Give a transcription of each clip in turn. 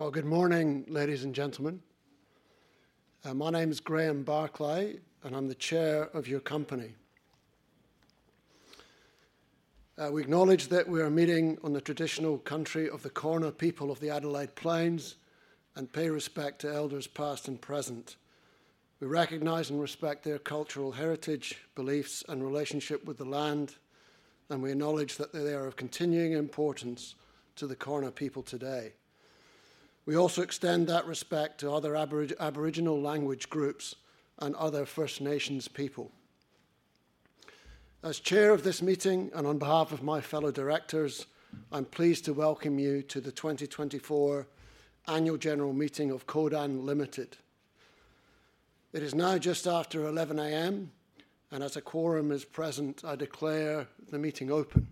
Well, good morning, ladies and gentlemen. My name is Graeme Barclay, and I'm the Chair of your company. We acknowledge that we are meeting on the traditional country of the Kaurna people of the Adelaide Plains and pay respect to elders past and present. We recognize and respect their cultural heritage, beliefs, and relationship with the land, and we acknowledge that they are of continuing importance to the Kaurna people today. We also extend that respect to other Aboriginal language groups and other First Nations people. As Chair of this meeting, and on behalf of my fellow directors, I'm pleased to welcome you to the 2024 annual general meeting of Codan Limited. It is now just after 11:00 A.M., and as a quorum is present, I declare the meeting open.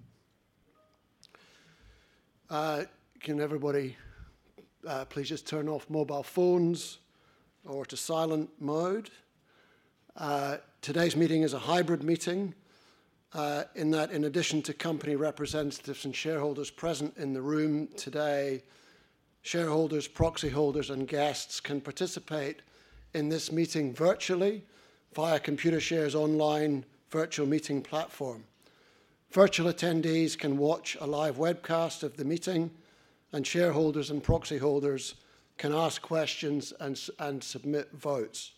Can everybody please just turn off mobile phones or to silent mode? Today's meeting is a hybrid meeting, in that in addition to company representatives and shareholders present in the room today, shareholders, proxy holders, and guests can participate in this meeting virtually via Computershare's online virtual meeting platform. Virtual attendees can watch a live webcast of the meeting, and shareholders and proxy holders can ask questions and submit votes.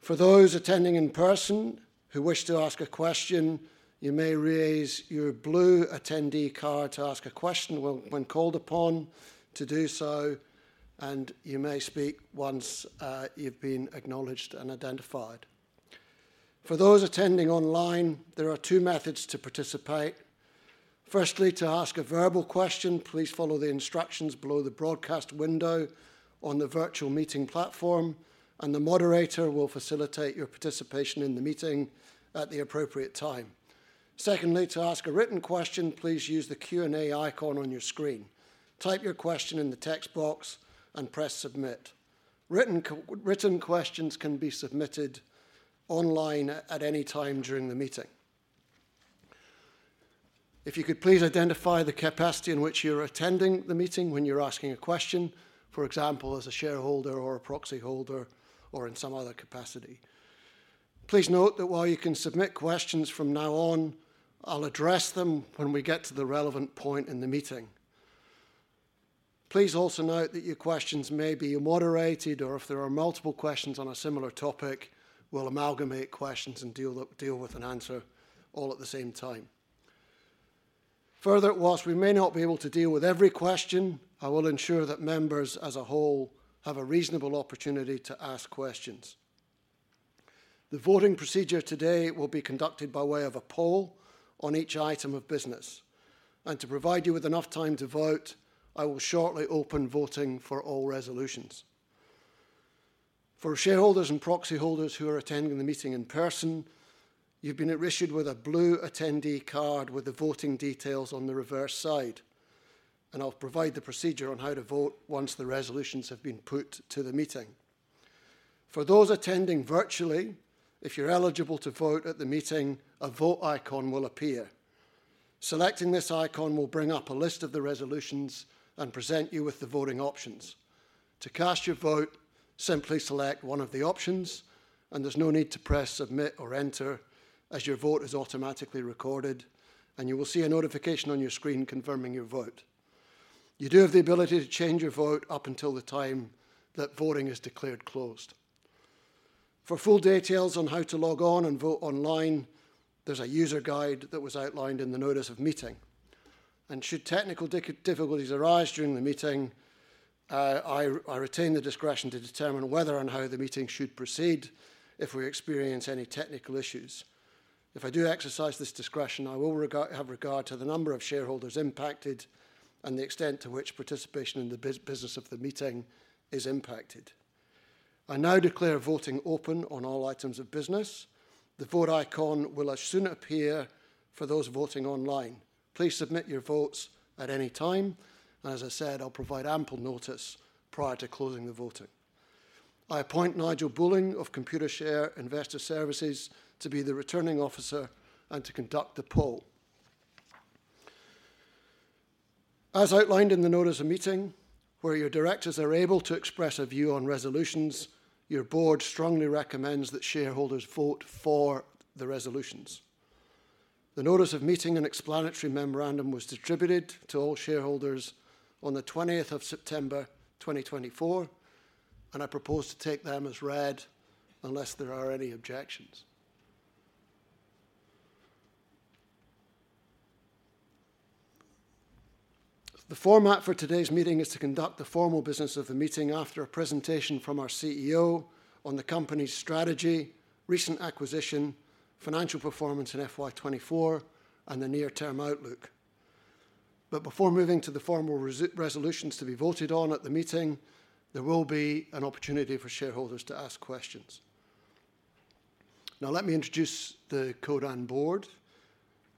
For those attending in person who wish to ask a question, you may raise your blue attendee card to ask a question when called upon to do so, and you may speak once you've been acknowledged and identified. For those attending online, there are two methods to participate. Firstly, to ask a verbal question, please follow the instructions below the broadcast window on the virtual meeting platform, and the moderator will facilitate your participation in the meeting at the appropriate time. Secondly, to ask a written question, please use the Q&A icon on your screen. Type your question in the text box and press Submit. Written questions can be submitted online at any time during the meeting. If you could please identify the capacity in which you're attending the meeting when you're asking a question, for example, as a shareholder or a proxy holder or in some other capacity. Please note that while you can submit questions from now on, I'll address them when we get to the relevant point in the meeting. Please also note that your questions may be moderated, or if there are multiple questions on a similar topic, we'll amalgamate questions and deal with and answer all at the same time. Further, while we may not be able to deal with every question, I will ensure that members as a whole have a reasonable opportunity to ask questions. The voting procedure today will be conducted by way of a poll on each item of business, and to provide you with enough time to vote, I will shortly open voting for all resolutions. For shareholders and proxy holders who are attending the meeting in person, you've been issued with a blue attendee card with the voting details on the reverse side, and I'll provide the procedure on how to vote once the resolutions have been put to the meeting. For those attending virtually, if you're eligible to vote at the meeting, a vote icon will appear. Selecting this icon will bring up a list of the resolutions and present you with the voting options. To cast your vote, simply select one of the options, and there's no need to press, submit, or enter, as your vote is automatically recorded, and you will see a notification on your screen confirming your vote. You do have the ability to change your vote up until the time that voting is declared closed. For full details on how to log on and vote online, there's a user guide that was outlined in the notice of meeting. And should technical difficulties arise during the meeting, I retain the discretion to determine whether and how the meeting should proceed if we experience any technical issues. If I do exercise this discretion, I will have regard to the number of shareholders impacted and the extent to which participation in the business of the meeting is impacted. I now declare voting open on all items of business. The vote icon will as soon appear for those voting online. Please submit your votes at any time, and as I said, I'll provide ample notice prior to closing the voting. I appoint Nigel Bulling of Computershare Investor Services to be the Returning Officer and to conduct the poll. As outlined in the notice of meeting, where your directors are able to express a view on resolutions, your board strongly recommends that shareholders vote for the resolutions. The notice of meeting and explanatory memorandum was distributed to all shareholders on the twentieth of September, 2024, and I propose to take them as read unless there are any objections. The format for today's meeting is to conduct the formal business of the meeting after a presentation from our CEO on the company's strategy, recent acquisition, financial performance in FY 2024, and the near-term outlook. But before moving to the formal resolutions to be voted on at the meeting, there will be an opportunity for shareholders to ask questions. Now, let me introduce the Codan board.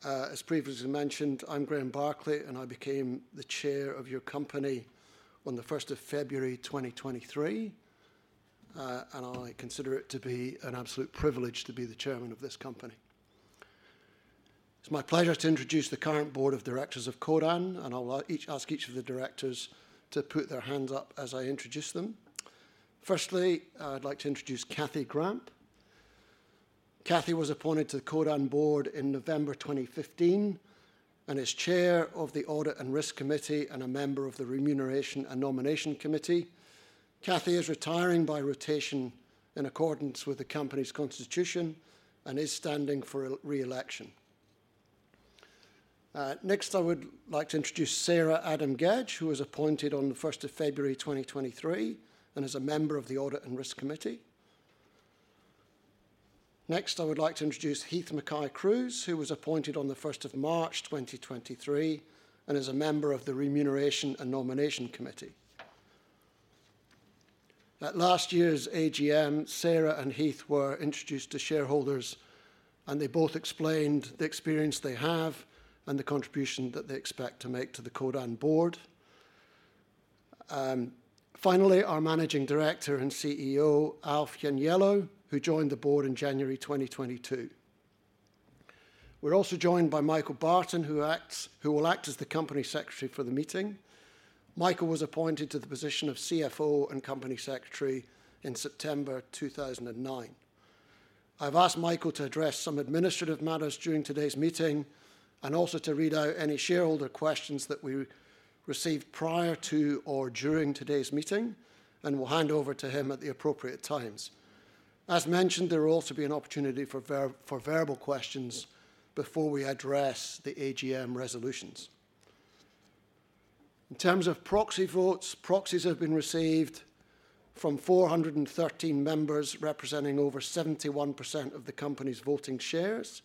As previously mentioned, I'm Graeme Barclay, and I became the chair of your company on the first of February 2023, and I consider it to be an absolute privilege to be the chairman of this company. It's my pleasure to introduce the current board of directors of Codan, and I'll ask each of the directors to put their hands up as I introduce them. Firstly, I'd like to introduce Kathy Gramp. Kathy was appointed to the Codan board in November 2015, and is chair of the Audit and Risk Committee and a member of the Remuneration and Nomination Committee. Kathy is retiring by rotation in accordance with the company's constitution, and is standing for re-election. Next, I would like to introduce Sarah Adam-Gedge, who was appointed on the first of February 2023, and is a member of the Audit and Risk Committee. Next, I would like to introduce Heith MacKay-Cruise, who was appointed on the first of March 2023, and is a member of the Remuneration and Nomination Committee. At last year's AGM, Sarah and Heith were introduced to shareholders, and they both explained the experience they have and the contribution that they expect to make to the Codan board. Finally, our Managing Director and CEO, Alf Ianniello, who joined the board in January 2022. We're also joined by Michael Barton, who will act as the company secretary for the meeting. Michael was appointed to the position of CFO and company secretary in September two thousand and nine. I've asked Michael to address some administrative matters during today's meeting, and also to read out any shareholder questions that we received prior to or during today's meeting, and we'll hand over to him at the appropriate times. As mentioned, there will also be an opportunity for verbal questions before we address the AGM resolutions. In terms of proxy votes, proxies have been received from four hundred and thirteen members, representing over 71% of the company's voting shares,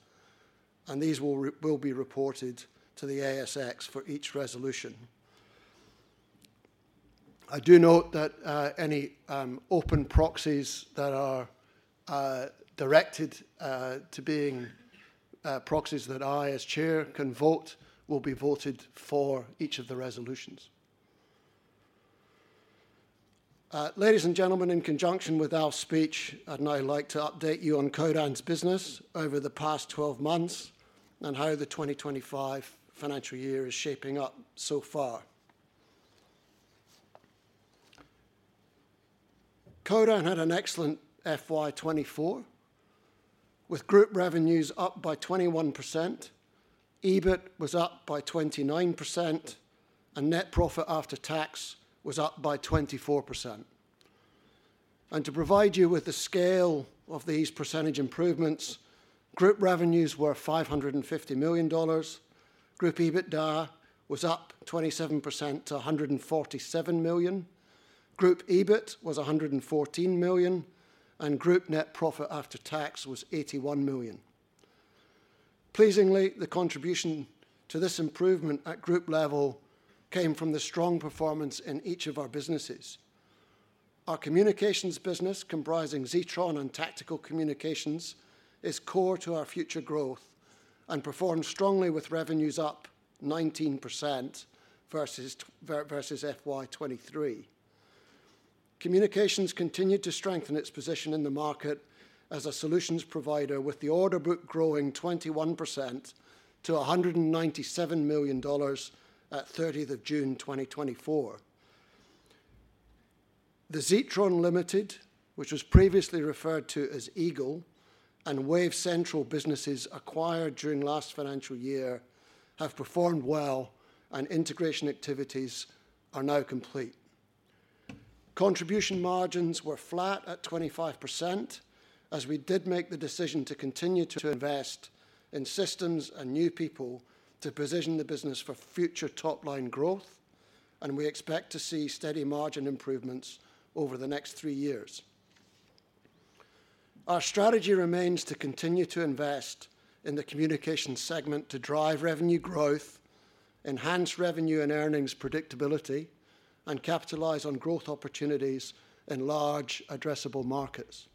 and these will be reported to the ASX for each resolution. I do note that any open proxies that are directed to being proxies that I, as chair, can vote, will be voted for each of the resolutions. Ladies and gentlemen, in conjunction with our speech, I'd now like to update you on Codan's business over the past twelve months and how the 2025 financial year is shaping up so far. Codan had an excellent FY 2024, with group revenues up by 21%, EBIT was up by 29%, and net profit after tax was up by 24%. And to provide you with the scale of these percentage improvements, group revenues were 550 million dollars, group EBITDA was up 27% to 147 million, group EBIT was 114 million, and group net profit after tax was 81 million. Pleasingly, the contribution to this improvement at group level came from the strong performance in each of our businesses. Our communications business, comprising Zetron and Tactical Communications, is core to our future growth and performed strongly, with revenues up 19% versus FY 2023. Communications continued to strengthen its position in the market as a solutions provider, with the order book growing 21% to 197 million dollars at thirtieth of June, 2024. The Zetron Limited, which was previously referred to as Eagle, and Wave Central businesses acquired during last financial year, have performed well, and integration activities are now complete. Contribution margins were flat at 25%, as we did make the decision to continue to invest in systems and new people to position the business for future top-line growth, and we expect to see steady margin improvements over the next three years. Our strategy remains to continue to invest in the communication segment to drive revenue growth, enhance revenue and earnings predictability, and capitalize on growth opportunities in large addressable markets.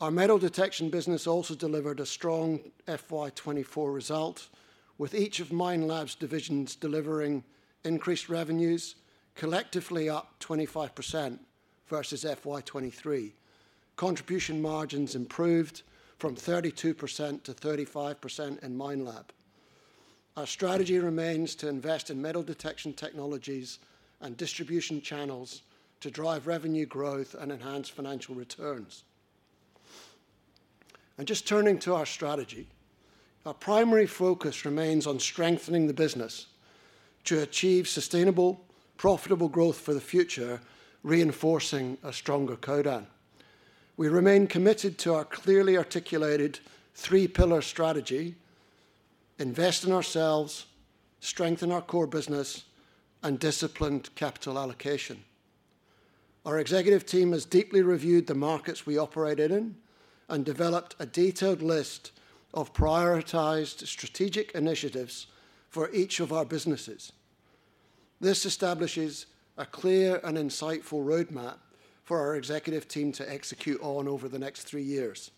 Our metal detection business also delivered a strong FY 2024 result, with each of Minelab's divisions delivering increased revenues, collectively up 25% versus FY 2023. Contribution margins improved from 32% to 35% in Minelab. Our strategy remains to invest in metal detection technologies and distribution channels to drive revenue growth and enhance financial returns. Just turning to our strategy, our primary focus remains on strengthening the business to achieve sustainable, profitable growth for the future, reinforcing a stronger Codan. We remain committed to our clearly articulated three-pillar strategy: invest in ourselves, strengthen our core business, and disciplined capital allocation. Our executive team has deeply reviewed the markets we operate in and developed a detailed list of prioritized strategic initiatives for each of our businesses. This establishes a clear and insightful roadmap for our executive team to execute on over the next three years.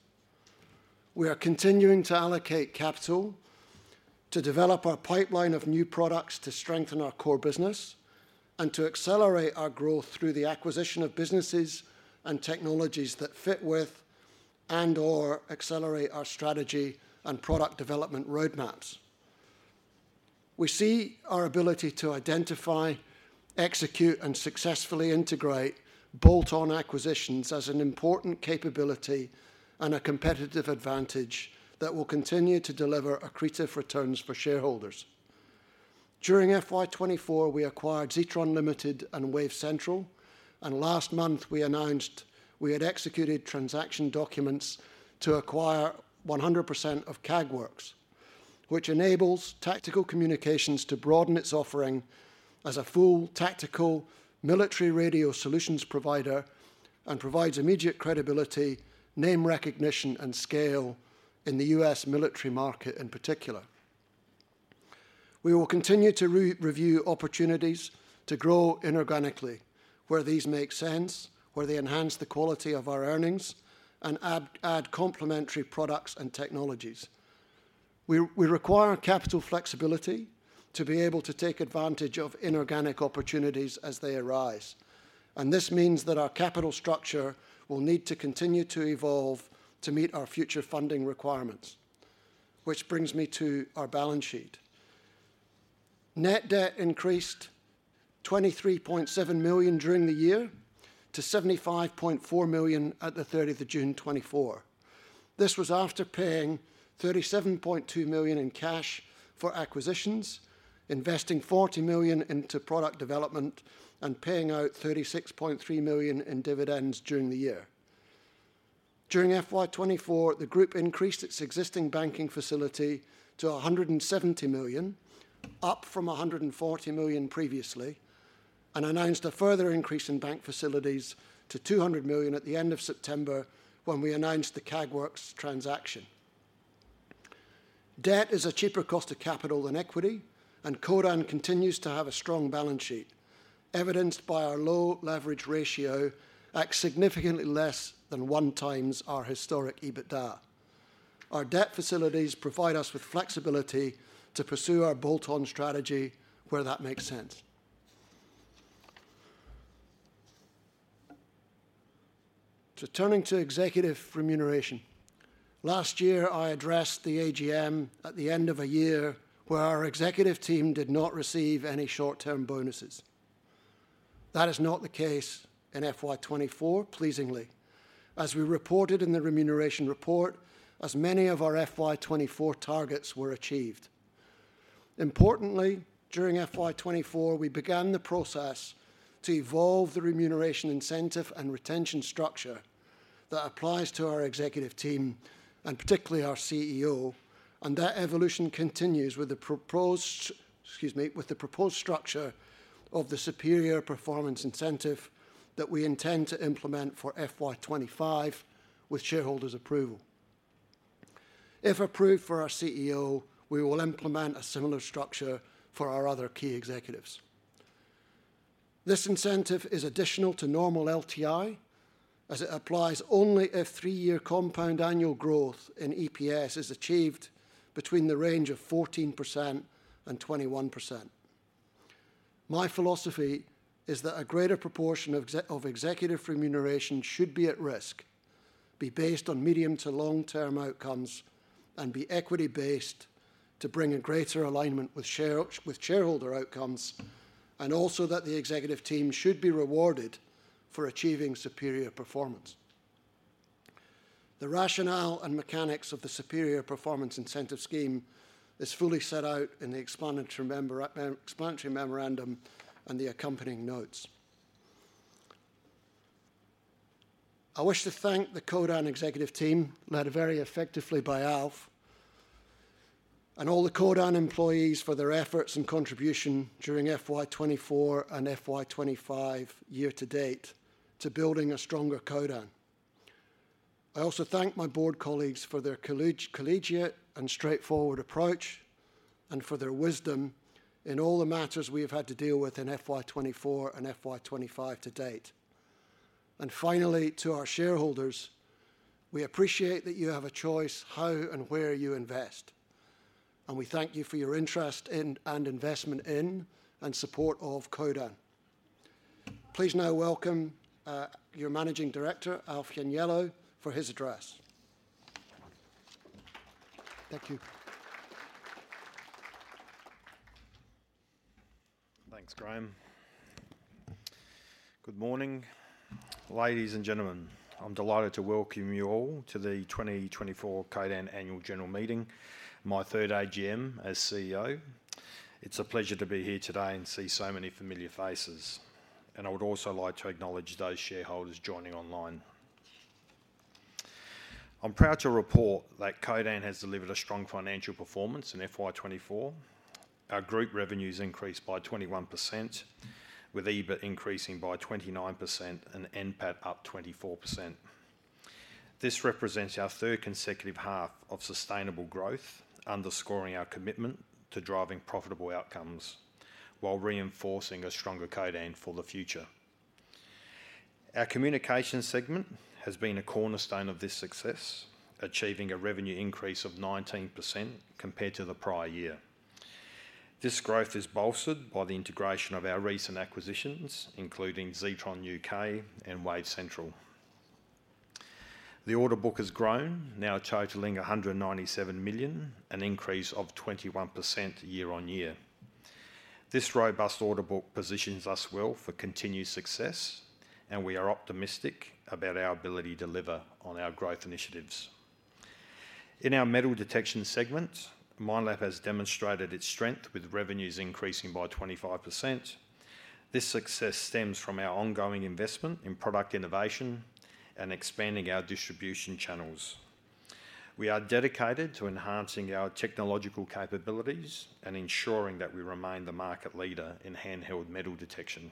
We are continuing to allocate capital to develop our pipeline of new products to strengthen our core business and to accelerate our growth through the acquisition of businesses and technologies that fit with and or accelerate our strategy and product development roadmaps. We see our ability to identify, execute, and successfully integrate bolt-on acquisitions as an important capability and a competitive advantage that will continue to deliver accretive returns for shareholders. During FY 2024, we acquired Zetron Limited and Wave Central, and last month, we announced we had executed transaction documents to acquire 100% of Kagwerks, which enables tactical communications to broaden its offering as a full tactical military radio solutions provider and provides immediate credibility, name recognition, and scale in the U.S. military market in particular. We will continue to review opportunities to grow inorganically, where these make sense, where they enhance the quality of our earnings, and add complementary products and technologies. We require capital flexibility to be able to take advantage of inorganic opportunities as they arise, and this means that our capital structure will need to continue to evolve to meet our future funding requirements, which brings me to our balance sheet. Net debt increased 23.7 million during the year to 75.4 million at the 30th of June 2024. This was after paying 37.2 million in cash for acquisitions, investing 40 million into product development, and paying out 36.3 million in dividends during the year. During FY 2024, the group increased its existing banking facility to 170 million, up from 140 million previously, and announced a further increase in bank facilities to 200 million at the end of September when we announced the Kagwerks transaction. Debt is a cheaper cost of capital than equity, and Codan continues to have a strong balance sheet, evidenced by our low leverage ratio at significantly less than one times our historic EBITDA. Our debt facilities provide us with flexibility to pursue our bolt-on strategy where that makes sense. Turning to executive remuneration. Last year, I addressed the AGM at the end of a year where our executive team did not receive any short-term bonuses. That is not the case in FY 2024, pleasingly, as we reported in the remuneration report, as many of our FY 2024 targets were achieved. Importantly, during FY 2024, we began the process to evolve the remuneration incentive and retention structure that applies to our executive team, and particularly our CEO, and that evolution continues with the proposed, excuse me, with the proposed structure of the superior performance incentive that we intend to implement for FY 2025, with shareholders' approval. If approved for our CEO, we will implement a similar structure for our other key executives. This incentive is additional to normal LTI, as it applies only if three-year compound annual growth in EPS is achieved between the range of 14% and 21%. My philosophy is that a greater proportion of executive remuneration should be at risk, be based on medium to long-term outcomes, and be equity-based to bring a greater alignment with shareholder outcomes, and also that the executive team should be rewarded for achieving superior performance. The rationale and mechanics of the superior performance incentive scheme is fully set out in the explanatory memorandum and the accompanying notes. I wish to thank the Codan executive team, led very effectively by Alf, and all the Codan employees for their efforts and contribution during FY 2024 and FY 2025 year to date to building a stronger Codan. I also thank my board colleagues for their collegiate and straightforward approach and for their wisdom in all the matters we have had to deal with in FY 2024 and FY 2025 to date. Finally, to our shareholders, we appreciate that you have a choice how and where you invest, and we thank you for your interest in and investment in and support of Codan. Please now welcome your Managing Director, Alf Ianniello, for his address. Thank you. Thanks, Graeme. Good morning, ladies and gentlemen. I'm delighted to welcome you all to the 2024 Codan Annual General Meeting, my third AGM as CEO. It's a pleasure to be here today and see so many familiar faces, and I would also like to acknowledge those shareholders joining online. I'm proud to report that Codan has delivered a strong financial performance in FY 2024. Our group revenues increased by 21%, with EBIT increasing by 29% and NPAT up 24%. This represents our third consecutive half of sustainable growth, underscoring our commitment to driving profitable outcomes while reinforcing a stronger Codan for the future. Our communications segment has been a cornerstone of this success, achieving a revenue increase of 19% compared to the prior year. This growth is bolstered by the integration of our recent acquisitions, including Zetron UK and Wave Central. The order book has grown, now totaling 197 million, an increase of 21% year-on-year. This robust order book positions us well for continued success, and we are optimistic about our ability to deliver on our growth initiatives. In our metal detection segment, Minelab has demonstrated its strength, with revenues increasing by 25%. This success stems from our ongoing investment in product innovation and expanding our distribution channels. We are dedicated to enhancing our technological capabilities and ensuring that we remain the market leader in handheld metal detection.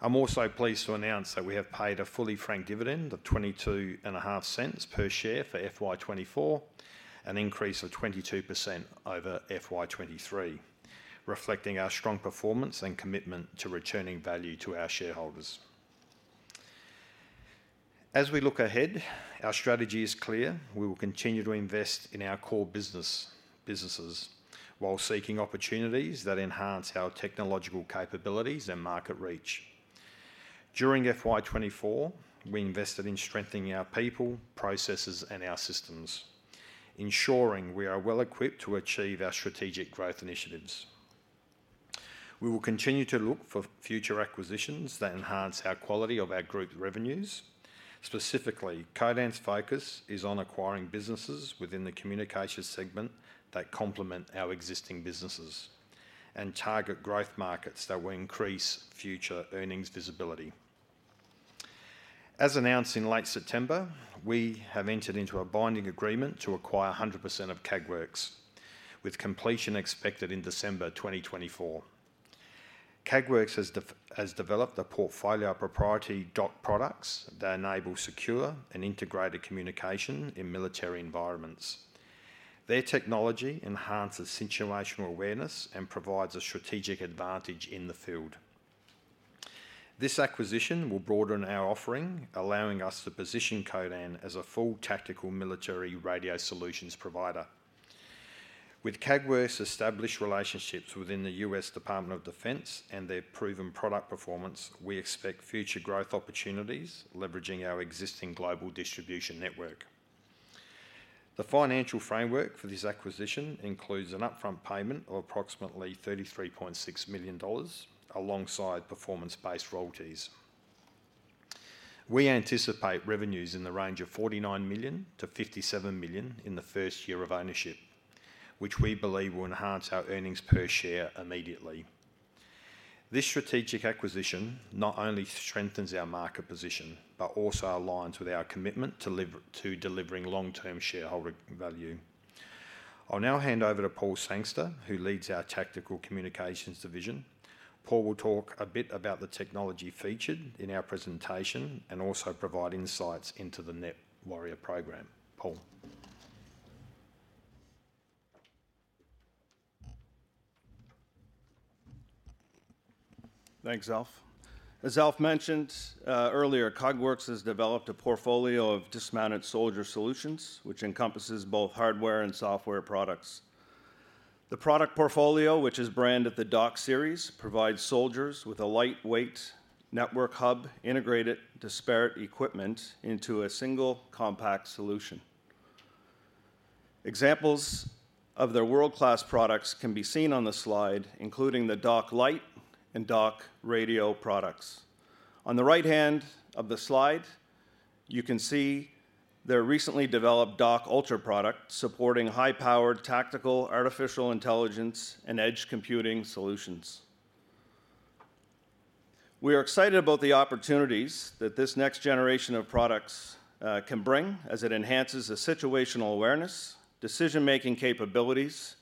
I'm also pleased to announce that we have paid a fully franked dividend of 0.225 per share for FY 2024, an increase of 22% over FY 2023, reflecting our strong performance and commitment to returning value to our shareholders. As we look ahead, our strategy is clear: we will continue to invest in our core business, businesses, while seeking opportunities that enhance our technological capabilities and market reach. During FY 2024, we invested in strengthening our people, processes, and our systems, ensuring we are well-equipped to achieve our strategic growth initiatives. We will continue to look for future acquisitions that enhance our quality of our group revenues. Specifically, Codan's focus is on acquiring businesses within the communications segment that complement our existing businesses and target growth markets that will increase future earnings visibility. As announced in late September, we have entered into a binding agreement to acquire 100% of Kagwerks, with completion expected in December 2024. Kagwerks has developed a portfolio of proprietary DOCK products that enable secure and integrated communication in military environments. Their technology enhances situational awareness and provides a strategic advantage in the field. This acquisition will broaden our offering, allowing us to position Codan as a full tactical military radio solutions provider. With Kagwerks' established relationships within the US Department of Defense and their proven product performance, we expect future growth opportunities, leveraging our existing global distribution network. The financial framework for this acquisition includes an upfront payment of approximately 33.6 million dollars, alongside performance-based royalties. We anticipate revenues in the range of 49 million-57 million in the first year of ownership, which we believe will enhance our earnings per share immediately. This strategic acquisition not only strengthens our market position but also aligns with our commitment to delivering long-term shareholder value. I'll now hand over to Paul Sangster, who leads our Tactical Communications division. Paul will talk a bit about the technology featured in our presentation and also provide insights into the Nett Warrior program. Paul? Thanks, Alf. As Alf mentioned earlier, Kagwerks has developed a portfolio of dismounted soldier solutions, which encompasses both hardware and software products. The product portfolio, which is branded the DOCK series, provides soldiers with a lightweight network hub, integrated disparate equipment into a single compact solution. Examples of their world-class products can be seen on the slide, including the DOCK Lite and DOCK Radio products. On the right hand of the slide, you can see their recently developed DOCK Ultra product, supporting high-powered tactical artificial intelligence and edge computing solutions. We are excited about the opportunities that this next generation of products can bring as it enhances the situational awareness, decision-making capabilities,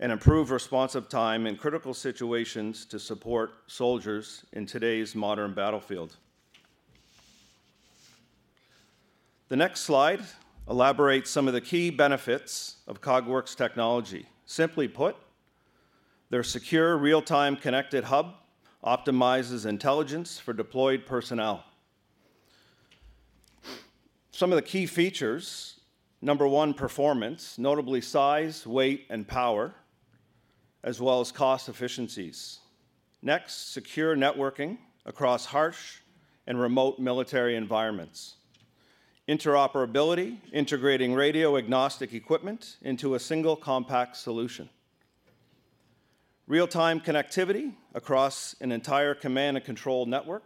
and improve responsive time in critical situations to support soldiers in today's modern battlefield. The next slide elaborates some of the key benefits of Kagwerks technology. Simply put, their secure, real-time connected hub optimizes intelligence for deployed personnel. Some of the key features: number one, performance, notably size, weight, and power, as well as cost efficiencies. Next, secure networking across harsh and remote military environments. Interoperability, integrating radio-agnostic equipment into a single compact solution. Real-time connectivity across an entire command and control network.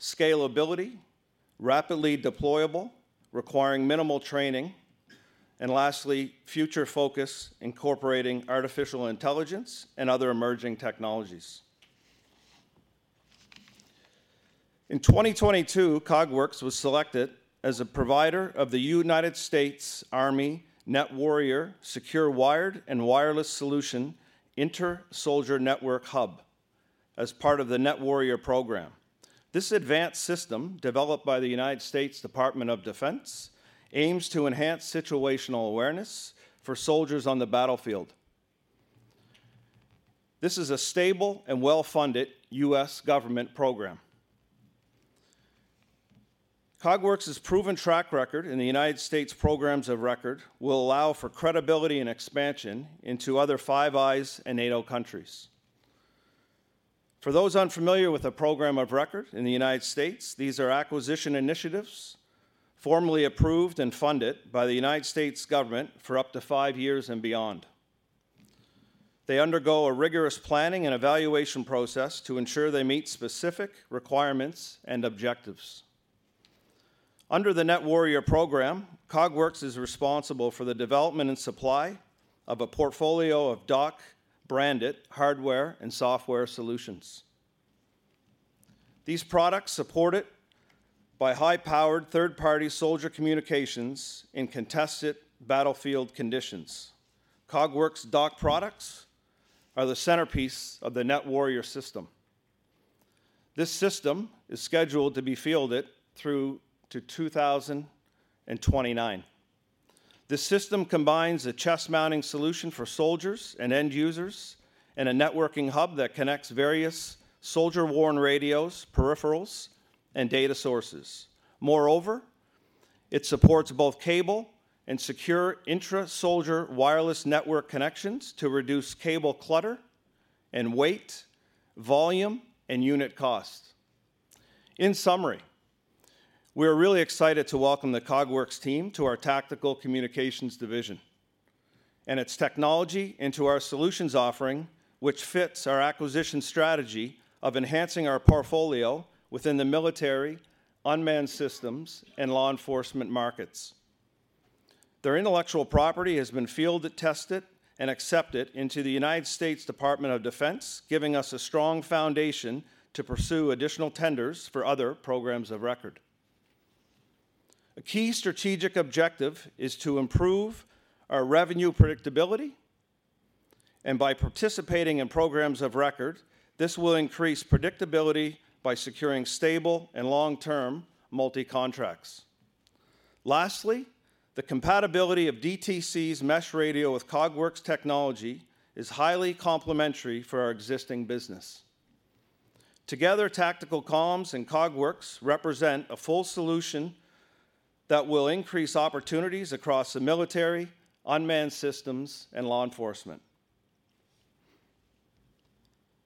Scalability, rapidly deployable, requiring minimal training. And lastly, future focus, incorporating artificial intelligence and other emerging technologies. In 2022, Kagwerks was selected as a provider of the United States Army Nett Warrior Secure Wired and Wireless Solution Inter-Soldier Network Hub as part of the Nett Warrior program. This advanced system, developed by the United States Department of Defense, aims to enhance situational awareness for soldiers on the battlefield. This is a stable and well-funded U.S. government program. Kagwerks' proven track record in the United States Program of Record will allow for credibility and expansion into other Five Eyes and NATO countries. For those unfamiliar with the Program of Record in the United States, these are acquisition initiatives formally approved and funded by the United States government for up to five years and beyond. They undergo a rigorous planning and evaluation process to ensure they meet specific requirements and objectives. Under the Nett Warrior program, Kagwerks is responsible for the development and supply of a portfolio of DOCK-branded hardware and software solutions. These products, supported by high-powered third-party soldier communications in contested battlefield conditions. Kagwerks DOCK products are the centerpiece of the Nett Warrior system. This system is scheduled to be fielded through to 2029. The system combines a chest-mounting solution for soldiers and end users, and a networking hub that connects various soldier-worn radios, peripherals, and data sources. Moreover, it supports both cable and secure intra-soldier wireless network connections to reduce cable clutter and weight, volume, and unit cost. In summary, we're really excited to welcome the Kagwerks team to our Tactical Communications division, and its technology into our solutions offering, which fits our acquisition strategy of enhancing our portfolio within the military, unmanned systems, and law enforcement markets. Their intellectual property has been field-tested and accepted into the United States Department of Defense, giving us a strong foundation to pursue additional tenders for other programs of record. A key strategic objective is to improve our revenue predictability, and by participating in programs of record, this will increase predictability by securing stable and long-term multi-contracts. Lastly, the compatibility of DTC's mesh radio with Kagwerks technology is highly complementary for our existing business. Together, Tactical Comms and Kagwerks represent a full solution that will increase opportunities across the military, unmanned systems, and law enforcement.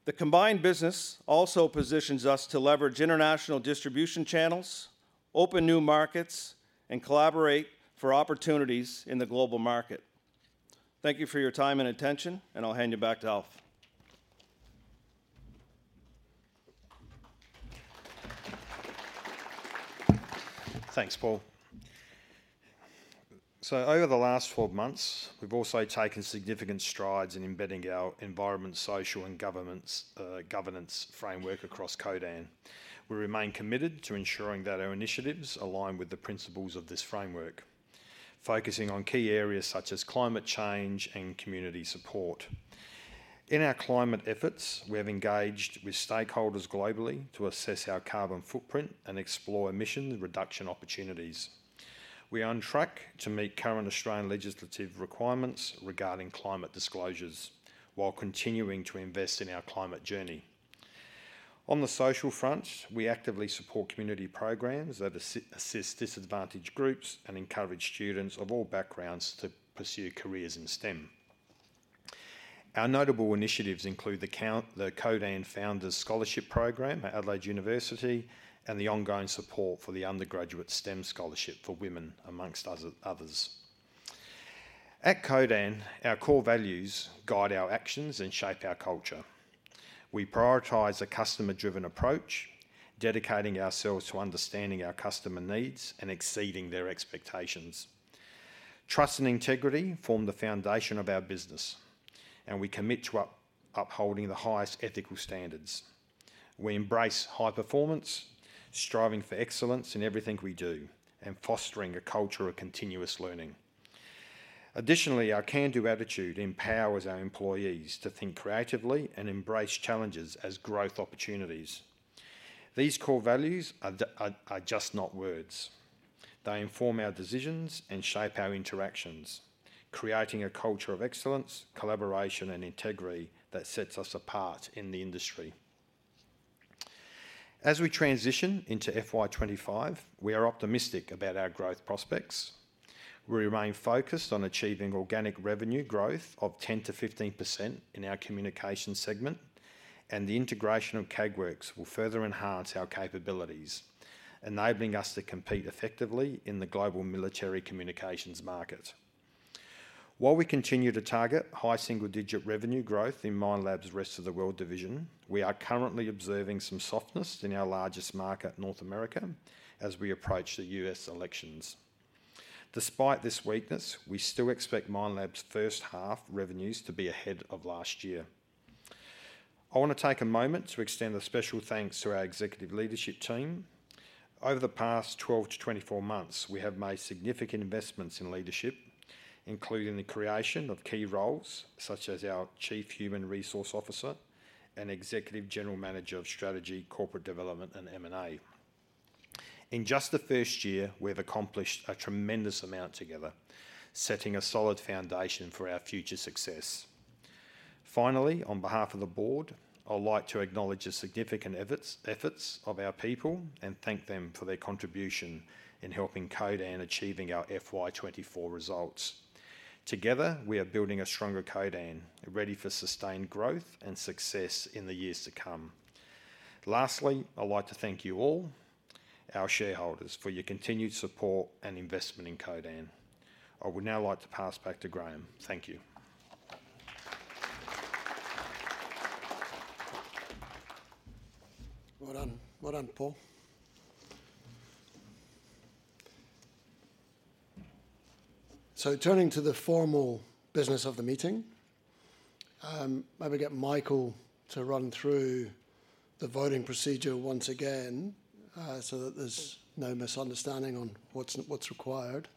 The combined business also positions us to leverage international distribution channels, open new markets, and collaborate for opportunities in the global market. Thank you for your time and attention, and I'll hand you back to Alf. Thanks, Paul. Over the last twelve months, we've also taken significant strides in embedding our environmental, social, and governance framework across Codan. We remain committed to ensuring that our initiatives align with the principles of this framework, focusing on key areas such as climate change and community support. In our climate efforts, we have engaged with stakeholders globally to assess our carbon footprint and explore emission reduction opportunities. We are on track to meet current Australian legislative requirements regarding climate disclosures, while continuing to invest in our climate journey. On the social front, we actively support community programs that assist disadvantaged groups and encourage students of all backgrounds to pursue careers in STEM. Our notable initiatives include the Codan Founders Scholarship Program at the University of Adelaide, and the ongoing support for the Undergraduate STEM Scholarship for Women, amongst others. At Codan, our core values guide our actions and shape our culture. We prioritize a customer-driven approach, dedicating ourselves to understanding our customer needs and exceeding their expectations. Trust and integrity form the foundation of our business, and we commit to upholding the highest ethical standards. We embrace high performance, striving for excellence in everything we do, and fostering a culture of continuous learning. Additionally, our can-do attitude empowers our employees to think creatively and embrace challenges as growth opportunities. These core values are just not words. They inform our decisions and shape our interactions, creating a culture of excellence, collaboration, and integrity that sets us apart in the industry. As we transition into FY 2025, we are optimistic about our growth prospects. We remain focused on achieving organic revenue growth of 10%-15% in our communication segment, and the integration of Kagwerks will further enhance our capabilities, enabling us to compete effectively in the global military communications market. While we continue to target high single-digit revenue growth in Minelab's Rest of the World division, we are currently observing some softness in our largest market, North America, as we approach the U.S. elections. Despite this weakness, we still expect Minelab's first half revenues to be ahead of last year. I wanna take a moment to extend a special thanks to our executive leadership team. Over the past 12 months-24 months, we have made significant investments in leadership, including the creation of key roles such as our Chief Human Resource Officer and Executive General Manager of Strategy, Corporate Development, and M&A. In just the first year, we have accomplished a tremendous amount together, setting a solid foundation for our future success. Finally, on behalf of the board, I'd like to acknowledge the significant efforts of our people and thank them for their contribution in helping Codan achieve our FY 2024 results. Together, we are building a stronger Codan, ready for sustained growth and success in the years to come. Lastly, I'd like to thank you all, our shareholders, for your continued support and investment in Codan. I would now like to pass back to Graeme. Thank you. Well done. Well done, Paul. So turning to the formal business of the meeting, may we get Michael to run through the voting procedure once again, so that there's no misunderstanding on what's required,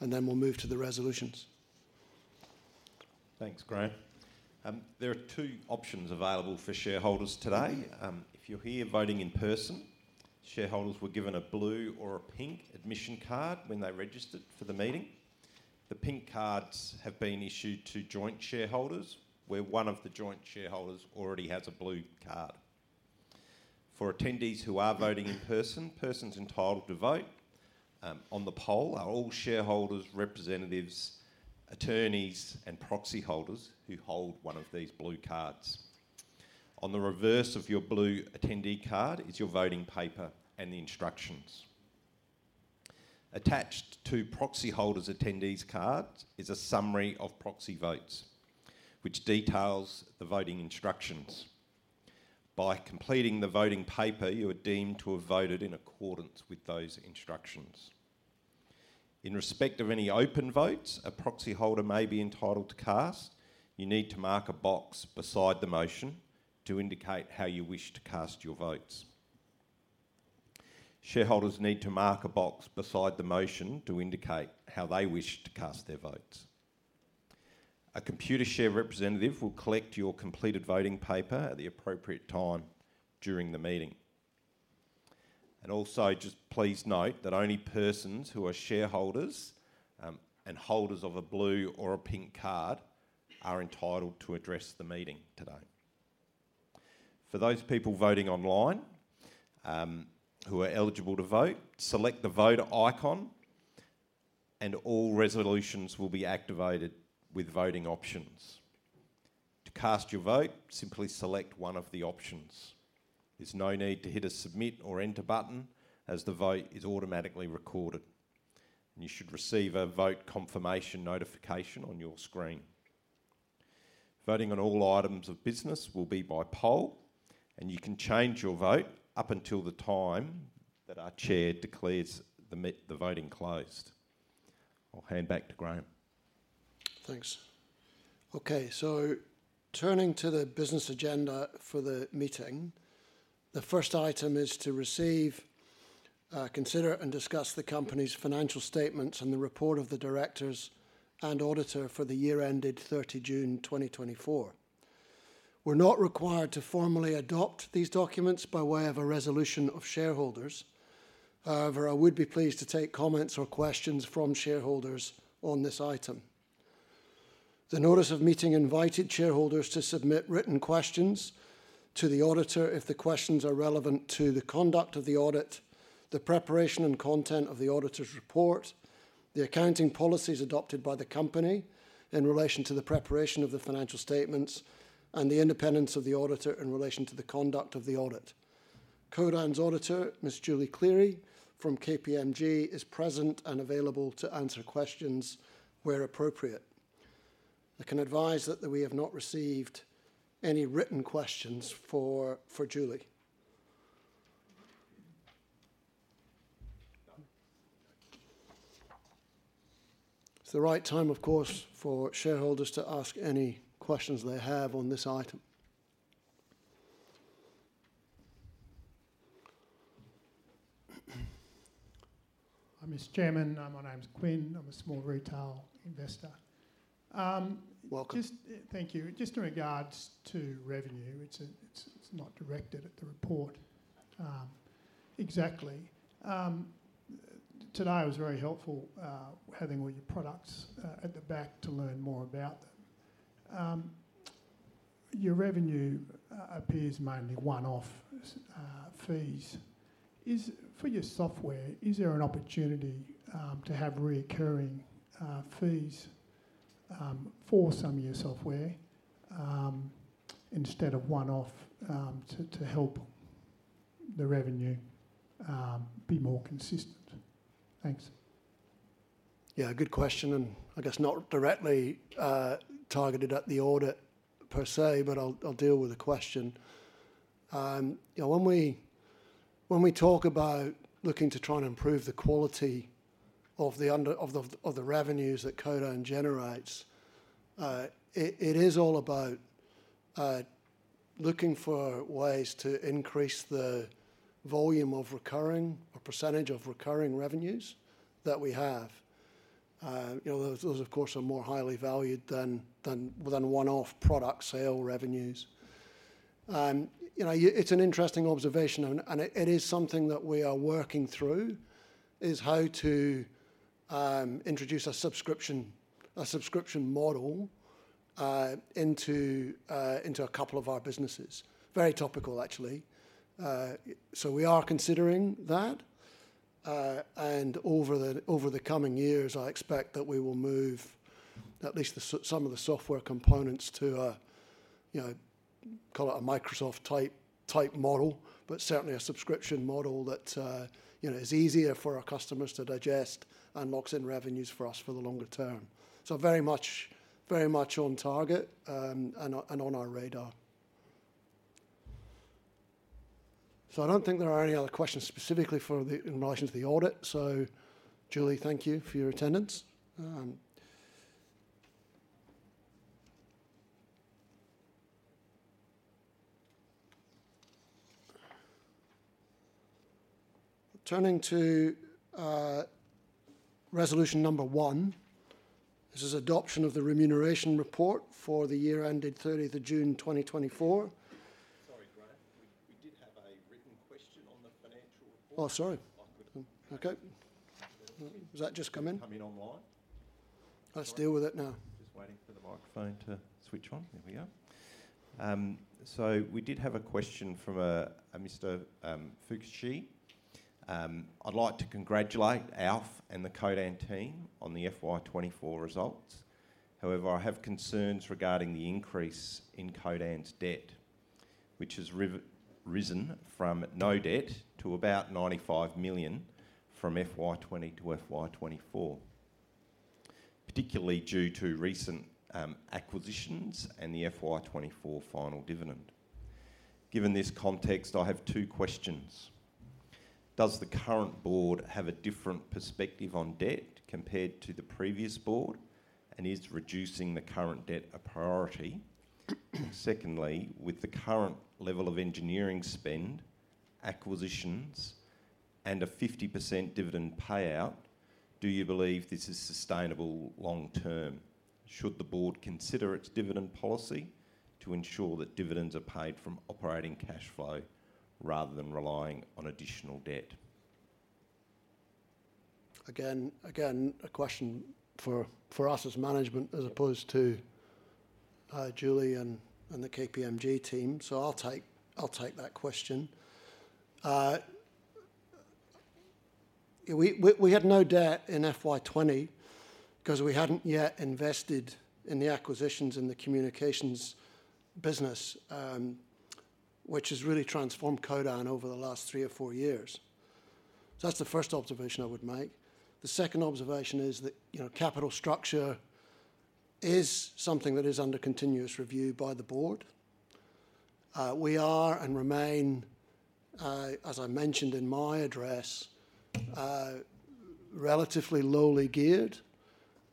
and then we'll move to the resolutions. Thanks, Graeme. There are two options available for shareholders today. If you're here voting in person, shareholders were given a blue or a pink admission card when they registered for the meeting. The pink cards have been issued to joint shareholders, where one of the joint shareholders already has a blue card. For attendees who are voting in person, persons entitled to vote on the poll are all shareholders, representatives, attorneys, and proxy holders who hold one of these blue cards. On the reverse of your blue attendee card is your voting paper and the instructions. Attached to proxy holders' attendee cards is a summary of proxy votes, which details the voting instructions. By completing the voting paper, you are deemed to have voted in accordance with those instructions. In respect of any open votes a proxy holder may be entitled to cast, you need to mark a box beside the motion to indicate how you wish to cast your votes. Shareholders need to mark a box beside the motion to indicate how they wish to cast their votes. A Computershare representative will collect your completed voting paper at the appropriate time during the meeting. And also, just please note that only persons who are shareholders, and holders of a blue or a pink card are entitled to address the meeting today. For those people voting online, who are eligible to vote, select the voter icon, and all resolutions will be activated with voting options. To cast your vote, simply select one of the options. There's no need to hit a submit or enter button, as the vote is automatically recorded, and you should receive a vote confirmation notification on your screen. Voting on all items of business will be by poll, and you can change your vote up until the time that our Chair declares the voting closed. I'll hand back to Graeme. Thanks. Okay, so turning to the business agenda for the meeting, the first item is to receive, consider, and discuss the company's financial statements and the report of the directors and auditor for the year ended 30 June 2024. We're not required to formally adopt these documents by way of a resolution of shareholders. However, I would be pleased to take comments or questions from shareholders on this item. The notice of meeting invited shareholders to submit written questions to the auditor if the questions are relevant to the conduct of the audit, the preparation and content of the auditor's report, the accounting policies adopted by the company in relation to the preparation of the financial statements, and the independence of the auditor in relation to the conduct of the audit. Codan's auditor, Ms. Julie Cleary, from KPMG, is present and available to answer questions where appropriate. I can advise that we have not received any written questions for Julie. It's the right time, of course, for shareholders to ask any questions they have on this item. Hi, Mr. Chairman. My name's Quinn. I'm a small retail investor. Welcome. Just. Thank you. Just in regards to revenue, it's not directed at the report exactly. Today was very helpful, having all your products at the back to learn more about them. Your revenue appears mainly one-off fees. For your software, is there an opportunity to have recurring fees for some of your software instead of one-off to help the revenue be more consistent? Thanks. Yeah, good question, and I guess not directly targeted at the audit per se, but I'll deal with the question. You know, when we talk about looking to try and improve the quality of the revenues that Codan generates, it is all about looking for ways to increase the volume of recurring or percentage of recurring revenues that we have. You know, those of course are more highly valued than one-off product sale revenues. You know, it's an interesting observation, and it is something that we are working through, is how to introduce a subscription model into a couple of our businesses. Very topical, actually. So we are considering that. And over the coming years, I expect that we will move at least some of the software components to a you know call it a Microsoft-type model, but certainly a subscription model that you know is easier for our customers to digest and locks in revenues for us for the longer term. So very much on target and on our radar. So I don't think there are any other questions specifically in relation to the audit. So Julie, thank you for your attendance. Turning to resolution number one, this is adoption of the remuneration report for the year ended thirtieth of June, 2024. Sorry, Graeme. We did have a written question on the financial report. Oh, sorry. I could- Okay. Has that just come in? Come in online. Let's deal with it now. Just waiting for the microphone to switch on. There we go. So we did have a question from a Mr. Fuchshi. "I'd like to congratulate Alf and the Codan team on the FY 2024 results. However, I have concerns regarding the increase in Codan's debt, which has risen from no debt to about 95 million from FY 2020 to FY 2024, particularly due to recent acquisitions and the FY 2024 final dividend. Given this context, I have two questions: Does the current board have a different perspective on debt compared to the previous board, and is reducing the current debt a priority? Secondly, with the current level of engineering spend, acquisitions, and a 50% dividend payout, do you believe this is sustainable long term? Should the board consider its dividend policy to ensure that dividends are paid from operating cash flow rather than relying on additional debt? A question for us as management, as opposed to Julie and the KPMG team. So I'll take that question. We had no debt in FY 2020 because we hadn't yet invested in the acquisitions in the communications business, which has really transformed Codan over the last three or four years. So that's the first observation I would make. The second observation is that, you know, capital structure is something that is under continuous review by the board. We are and remain, as I mentioned in my address, relatively lowly geared,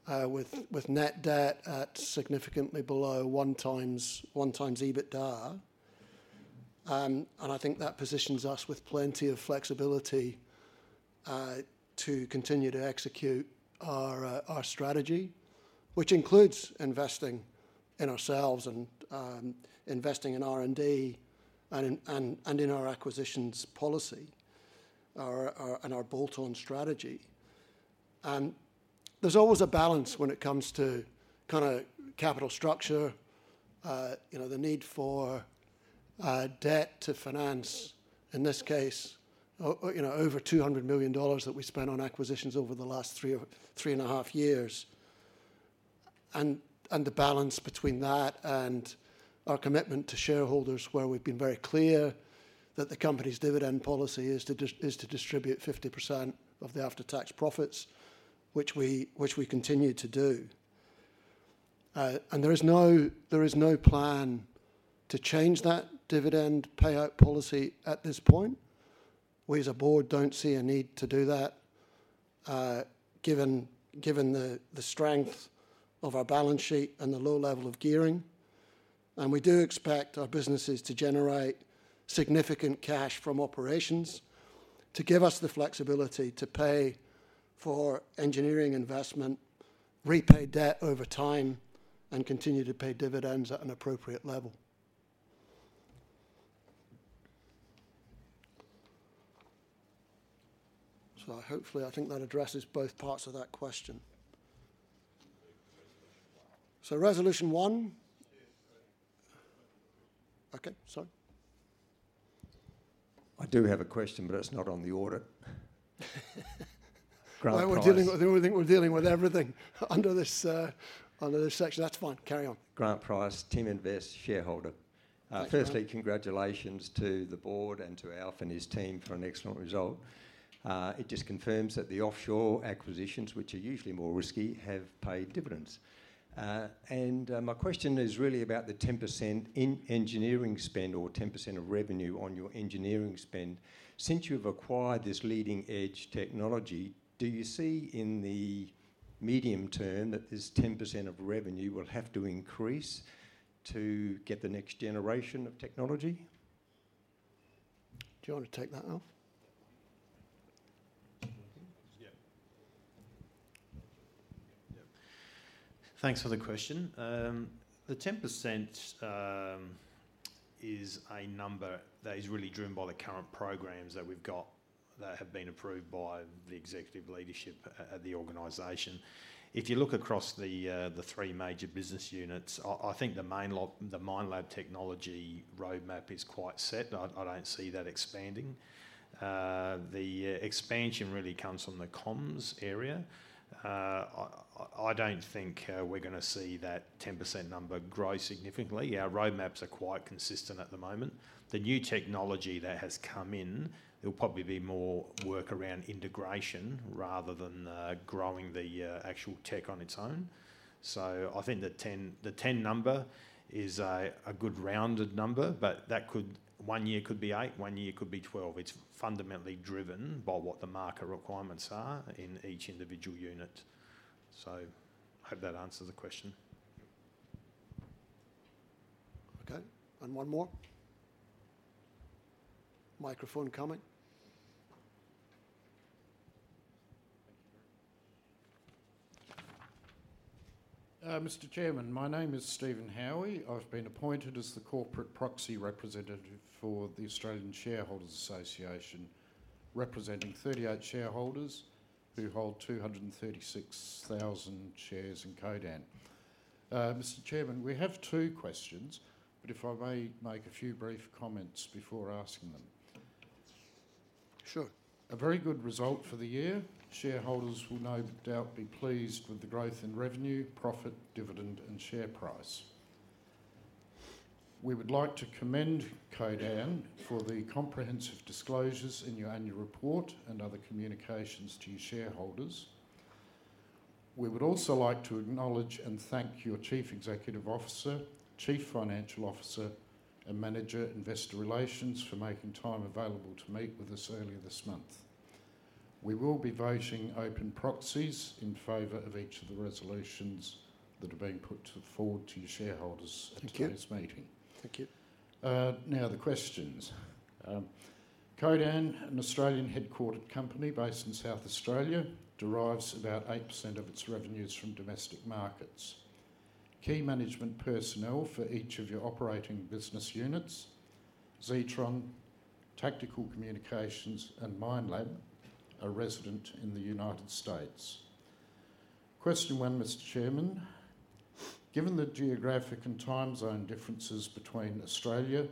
with net debt at significantly below one times EBITDA. And I think that positions us with plenty of flexibility to continue to execute our our strategy, which includes investing in ourselves and investing in R&D, and in our acquisitions policy and our bolt-on strategy. There's always a balance when it comes to kinda capital structure, you know, the need for debt to finance, in this case, you know, over 200 million dollars that we spent on acquisitions over the last three or three and a half years. The balance between that and our commitment to shareholders, where we've been very clear that the company's dividend policy is to distribute 50% of the after-tax profits, which we continue to do. There is no plan to change that dividend payout policy at this point. We, as a board, don't see a need to do that, given the strength of our balance sheet and the low level of gearing. And we do expect our businesses to generate significant cash from operations to give us the flexibility to pay for engineering investment, repay debt over time, and continue to pay dividends at an appropriate level. So hopefully, I think that addresses both parts of that question. Resolution one. Okay, sorry. I do have a question, but it's not on the audit. Grant Price- We're dealing with everything under this section. That's fine. Carry on. Grant Price, Team Invest shareholder. Thanks, Grant. Firstly, congratulations to the board and to Alf and his team for an excellent result. It just confirms that the offshore acquisitions, which are usually more risky, have paid dividends. My question is really about the 10% in engineering spend or 10% of revenue on your engineering spend. Since you've acquired this leading-edge technology, do you see in the medium term that this 10% of revenue will have to increase to get the next generation of technology? Do you want to take that, Alf? Yeah. Yeah. Thanks for the question. The 10% is a number that is really driven by the current programs that we've got, that have been approved by the executive leadership at the organization. If you look across the three major business units, I think the Minelab technology roadmap is quite set, and I don't see that expanding. The expansion really comes from the comms area. I don't think we're gonna see that 10% number grow significantly. Our roadmaps are quite consistent at the moment. The new technology that has come in, there will probably be more work around integration rather than growing the actual tech on its own. So I think the 10 number is a good rounded number, but that could one year could be eight, one year could be 12. It's fundamentally driven by what the market requirements are in each individual unit. So I hope that answers the question. Okay, and one more. Microphone coming. Mr. Chairman, my name is Stephen Howie. I've been appointed as the corporate proxy representative for the Australian Shareholders Association, representing 38 shareholders who hold 236,000 shares in Codan. Mr. Chairman, we have two questions, but if I may make a few brief comments before asking them. Sure. A very good result for the year. Shareholders will no doubt be pleased with the growth in revenue, profit, dividend, and share price. We would like to commend Codan for the comprehensive disclosures in your annual report and other communications to your shareholders. We would also like to acknowledge and thank your Chief Executive Officer, Chief Financial Officer, and Manager Investor Relations, for making time available to meet with us earlier this month. We will be voting open proxies in favor of each of the resolutions that are being put forward to your shareholders. Thank you At today's meeting. Thank you. Now, the questions. Codan, an Australian-headquartered company based in South Australia, derives about 8% of its revenues from domestic markets. Key management personnel for each of your operating business units, Zetron, Tactical Communications, and Minelab, are resident in the United States. Question one, Mr. Chairman: Given the geographic and time zone differences between Australia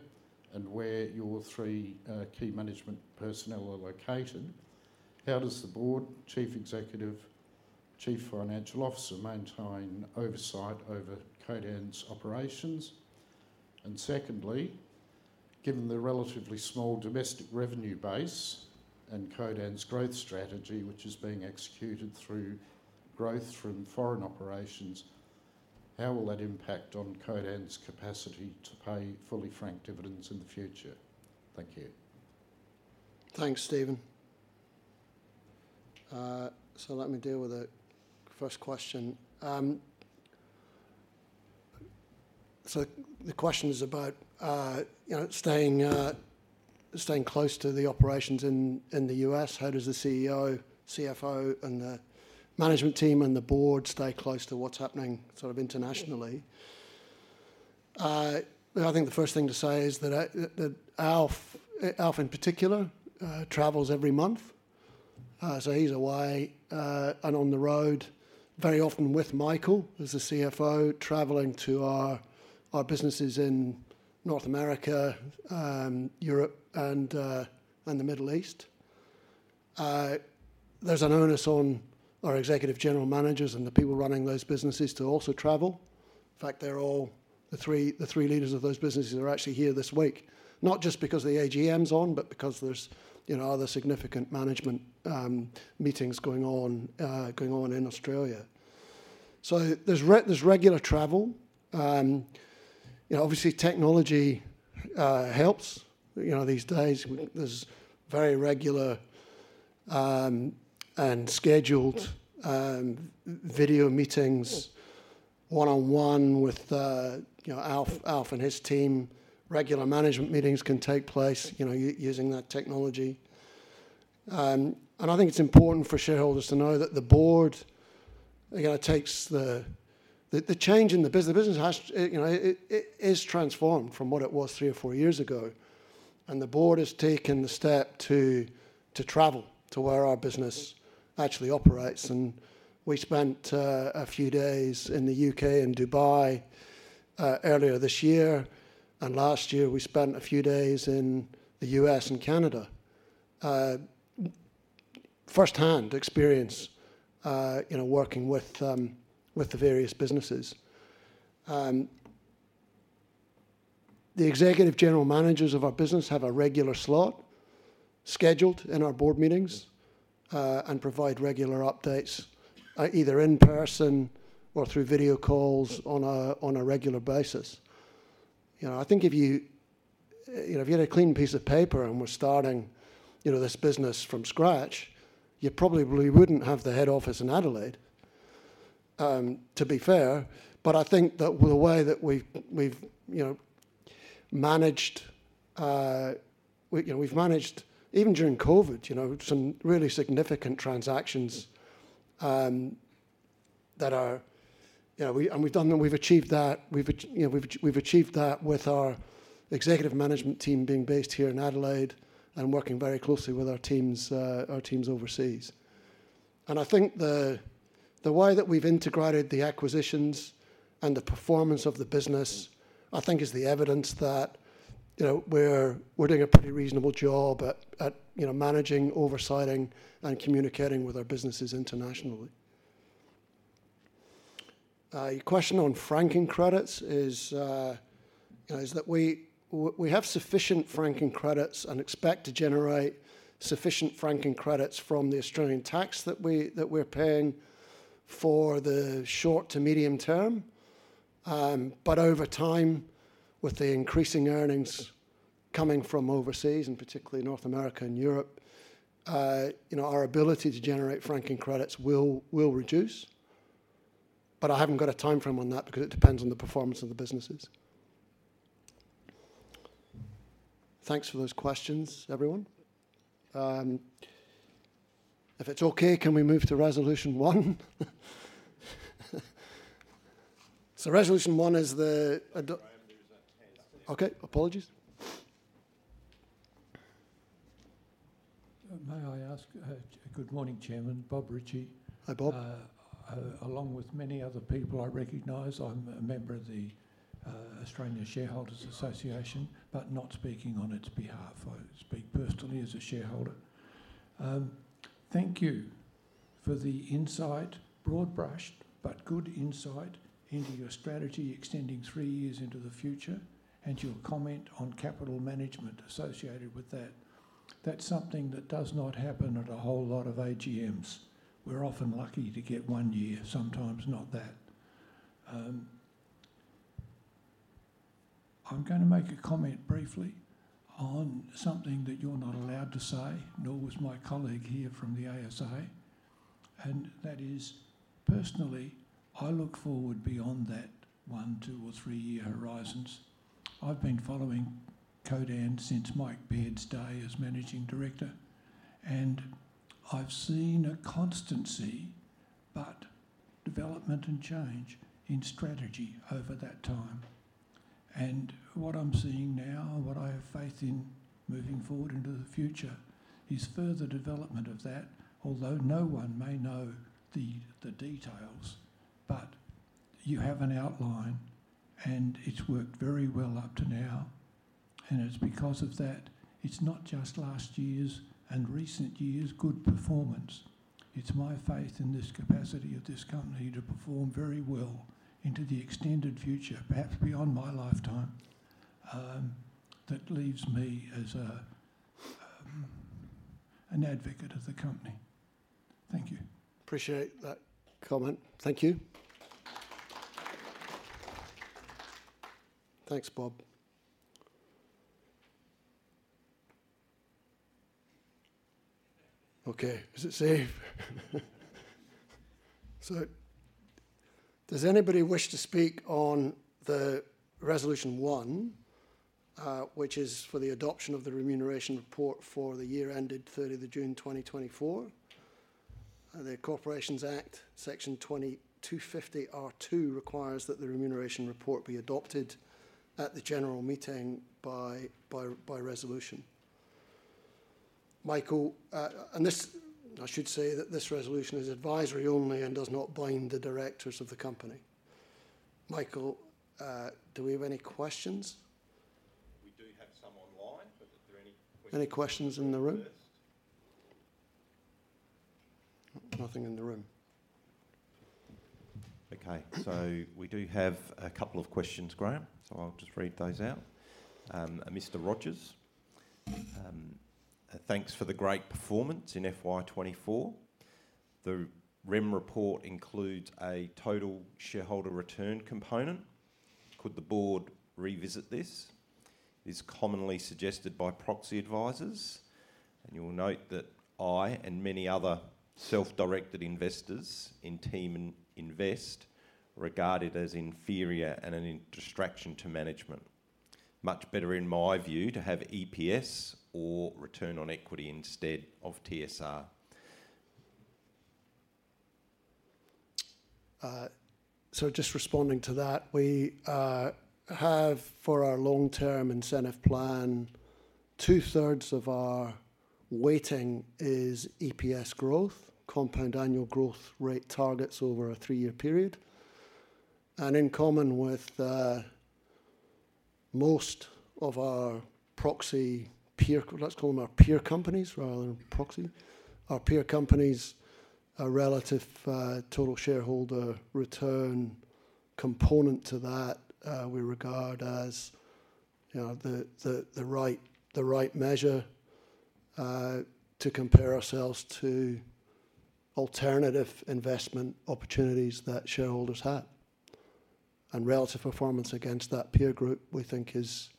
and where your three key management personnel are located, how does the board, Chief Executive, Chief Financial Officer, maintain oversight over Codan's operations? And secondly, given the relatively small domestic revenue base and Codan's growth strategy, which is being executed through growth from foreign operations, how will that impact on Codan's capacity to pay fully franked dividends in the future? Thank you. Thanks, Stephen. So let me deal with the first question. So the question is about, you know, staying close to the operations in the U.S. How does the CEO, CFO, and the management team and the board stay close to what's happening sort of internationally? I think the first thing to say is that that Alf, Alf in particular, travels every month. So he's away and on the road, very often with Michael, as the CFO, traveling to our businesses in North America, Europe, and the Middle East. There's an onus on our executive general managers and the people running those businesses to also travel. In fact, they're all, the three leaders of those businesses are actually here this week. Not just because the AGM's on, but because there's, you know, other significant management meetings going on in Australia. So there's regular travel. You know, obviously technology helps. You know, these days, there's very regular and scheduled video meetings, one-on-one with, you know, Alf and his team. Regular management meetings can take place, you know, using that technology. And I think it's important for shareholders to know that the board, you know, takes the change in the business. The business has, you know, it is transformed from what it was three or four years ago, and the board has taken the step to travel to where our business actually operates, and we spent a few days in the U.K. and Dubai earlier this year. Last year, we spent a few days in the US and Canada. Firsthand experience, you know, working with the various businesses. The executive general managers of our business have a regular slot scheduled in our board meetings, and provide regular updates, either in person or through video calls on a regular basis. You know, I think if you had a clean piece of paper and were starting this business from scratch, you probably wouldn't have the head office in Adelaide, to be fair, but I think that the way that we've managed, you know, we've managed even during COVID, you know, some really significant transactions that are. You know, we. We've done them. We've achieved that. We've achieved that with our executive management team being based here in Adelaide and working very closely with our teams overseas. And I think the way that we've integrated the acquisitions and the performance of the business is the evidence that, you know, we're doing a pretty reasonable job at you know managing, oversighting, and communicating with our businesses internationally. Your question on franking credits is that we have sufficient franking credits and expect to generate sufficient franking credits from the Australian tax that we're paying for the short to medium term. But over time, with the increasing earnings coming from overseas, and particularly North America and Europe, you know, our ability to generate franking credits will reduce. But I haven't got a timeframe on that because it depends on the performance of the businesses. Thanks for those questions, everyone. If it's okay, can we move to Resolution One? So Resolution One is the ado Graeme, there is a hand up there. Okay, apologies. May I ask, good morning, Chairman. Bob Ritchie. Hi, Bob. Along with many other people I recognize, I'm a member of the Australian Shareholders Association, but not speaking on its behalf. I speak personally as a shareholder. Thank you for the insight, broad-brushed, but good insight into your strategy extending three years into the future, and your comment on capital management associated with that. That's something that does not happen at a whole lot of AGMs. We're often lucky to get one year, sometimes not that. I'm going to make a comment briefly on something that you're not allowed to say, nor was my colleague here from the ASA, and that is, personally, I look forward beyond that one, two, or three-year horizons. I've been following Codan since Mike Heard's day as managing director, and I've seen a constancy, but development and change in strategy over that time. And what I'm seeing now, what I have faith in moving forward into the future, is further development of that. Although no one may know the details, but you have an outline, and it's worked very well up to now. And it's because of that, it's not just last year's and recent years' good performance, it's my faith in this capacity of this company to perform very well into the extended future, perhaps beyond my lifetime, that leaves me as an advocate of the company. Thank you. Appreciate that comment. Thank you. Thanks, Bob. Okay, is it safe? So does anybody wish to speak on Resolution One, which is for the adoption of the remuneration report for the year ended 30 June 2024? The Corporations Act, Section 250R(2), requires that the remuneration report be adopted at the general meeting by resolution. Michael, and this. I should say that this resolution is advisory only and does not bind the directors of the company. Michael, do we have any questions? We do have some online, but are there any questions? Any questions in the room? First. Nothing in the room. Okay. So we do have a couple of questions, Graeme, so I'll just read those out. Mr. Rogers: "Thanks for the great performance in FY 2024. The REM report includes a total shareholder return component. Could the board revisit this? It's commonly suggested by proxy advisors, and you will note that I and many other self-directed investors in Team Invest regard it as inferior and a distraction to management. Much better, in my view, to have EPS or return on equity instead of TSR. So just responding to that, we have, for our long-term incentive plan, two-thirds of our weighting is EPS growth, compound annual growth rate targets over a three-year period. And in common with most of our proxy peer, let's call them our peer companies rather than proxy, our peer companies, a relative total shareholder return component to that, we regard as, you know, the, the, the right, the right measure to compare ourselves to alternative investment opportunities that shareholders have. And relative performance against that peer group, we think is,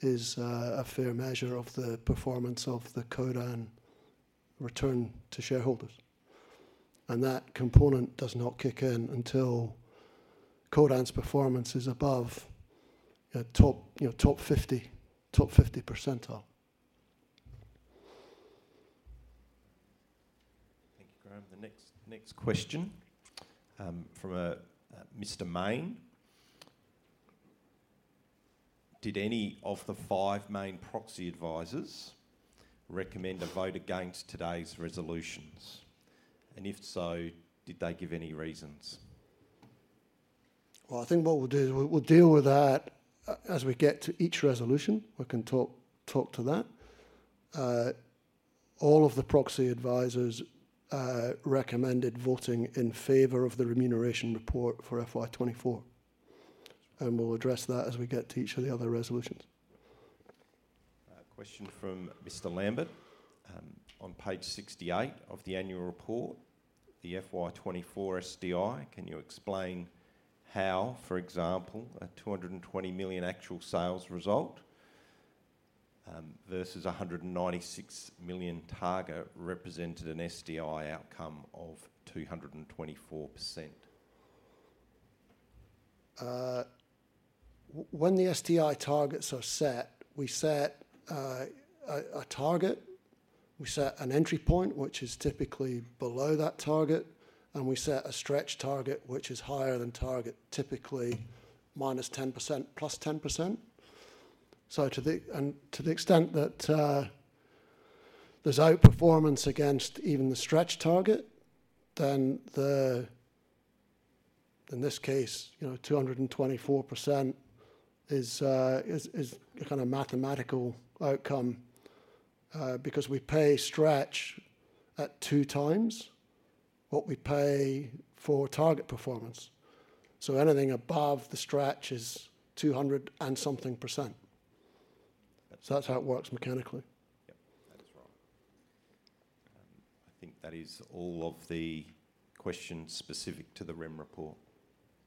is a fair measure of the performance of the Codan return to shareholders. And that component does not kick in until Codan's performance is above a top, you know, top 50, top 50 percentile. Thank you, Graeme. The next question from Mr. Mayne: Did any of the five main proxy advisors recommend a vote against today's resolutions? And if so, did they give any reasons? I think what we'll do is we'll deal with that as we get to each resolution. We can talk to that. All of the proxy advisors recommended voting in favor of the remuneration report for FY 2024, and we'll address that as we get to each of the other resolutions. A question from Mr. Lambert. On page 68 of the annual report, the FY 2024 STI, can you explain how, for example, a 220 million actual sales result versus a 196 million target represented an STI outcome of 224%? When the STI targets are set, we set a target, we set an entry point, which is typically below that target, and we set a stretch target, which is higher than target, typically -10%, +10%. So to the extent that there's outperformance against even the stretch target, then the. In this case, you know, 224% is a kind of mathematical outcome, because we pay stretch at two times what we pay for target performance. So anything above the stretch is two hundred and something percent. So that's how it works mechanically. Yep, that is right. I think that is all of the questions specific to the REM report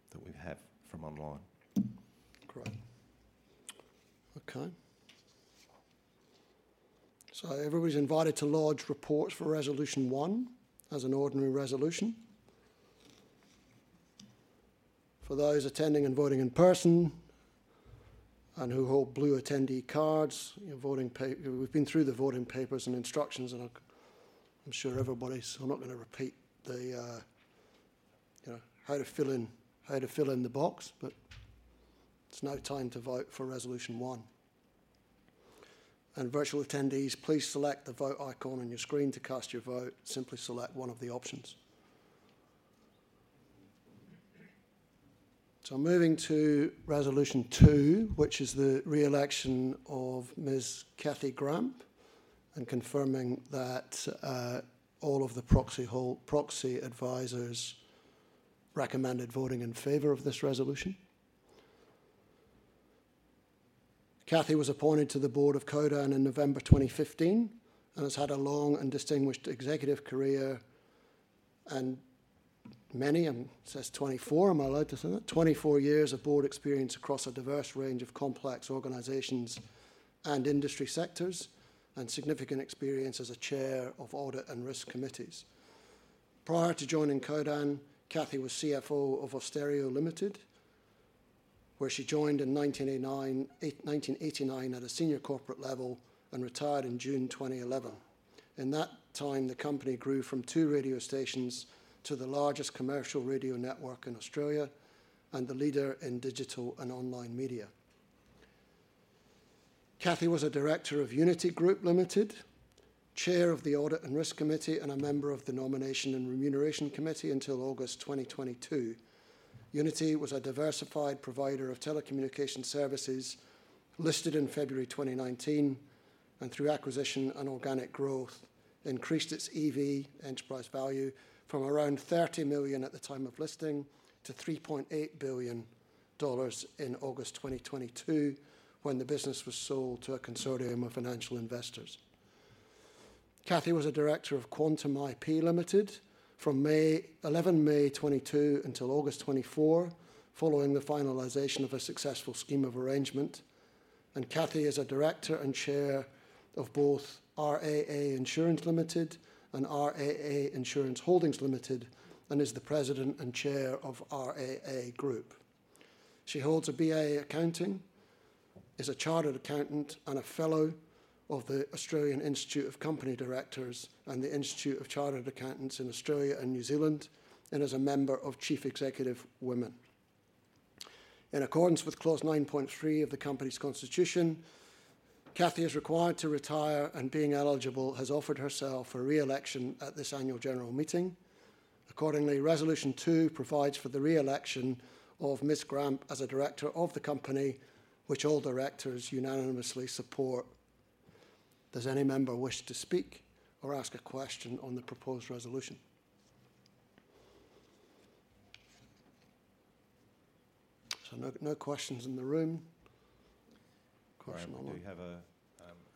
that we have from online. Great. Okay. So everybody's invited to lodge reports for resolution one as an ordinary resolution. For those attending and voting in person, and who hold blue attendee cards, your voting papers, we've been through the voting papers and instructions, and I, I'm sure everybody's, I'm not gonna repeat the, you know, how to fill in, how to fill in the box, but it's now time to vote for resolution one. And virtual attendees, please select the vote icon on your screen to cast your vote. Simply select one of the options. So moving to resolution two, which is the re-election of Ms. Kathy Gramp, and confirming that all of the proxy holders, proxy advisors recommended voting in favor of this resolution. Kathy was appointed to the board of Codan in November 2015, and has had a long and distinguished executive career, and many, it says 2024. Am I allowed to say that? 24 years of board experience across a diverse range of complex organizations and industry sectors, and significant experience as a chair of audit and risk committees. Prior to joining Codan, Kathy was CFO of Austereo Limited, where she joined in 1989 at a senior corporate level, and retired in June 2011. In that time, the company grew from two radio stations to the largest commercial radio network in Australia, and the leader in digital and online media. Kathy was a director of Uniti Group Limited, chair of the Audit and Risk Committee, and a member of the Nomination and Remuneration Committee until August 2022. Uniti was a diversified provider of telecommunication services, listed in February 2019, and through acquisition and organic growth, increased its EV, enterprise value, from around 30 million at the time of listing to 3.8 billion dollars in August 2022, when the business was sold to a consortium of financial investors. Kathy was a director of QANTM Intellectual Property Limited from 11 May 2022 until August 2024, following the finalization of a successful scheme of arrangement. Kathy is a director and chair of both RAA Insurance Limited and RAA Insurance Holdings Limited, and is the president and chair of RAA Group. She holds a BA in Accounting, is a chartered accountant, and a fellow of the Australian Institute of Company Directors and the Institute of Chartered Accountants in Australia and New Zealand, and is a member of Chief Executive Women. In accordance with Clause 9.3 of the company's constitution, Kathy is required to retire, and being eligible, has offered herself for re-election at this annual general meeting. Accordingly, resolution two provides for the re-election of Ms. Gramp as a director of the company, which all directors unanimously support. Does any member wish to speak or ask a question on the proposed resolution? So no, no questions in the room. Graeme, we do have a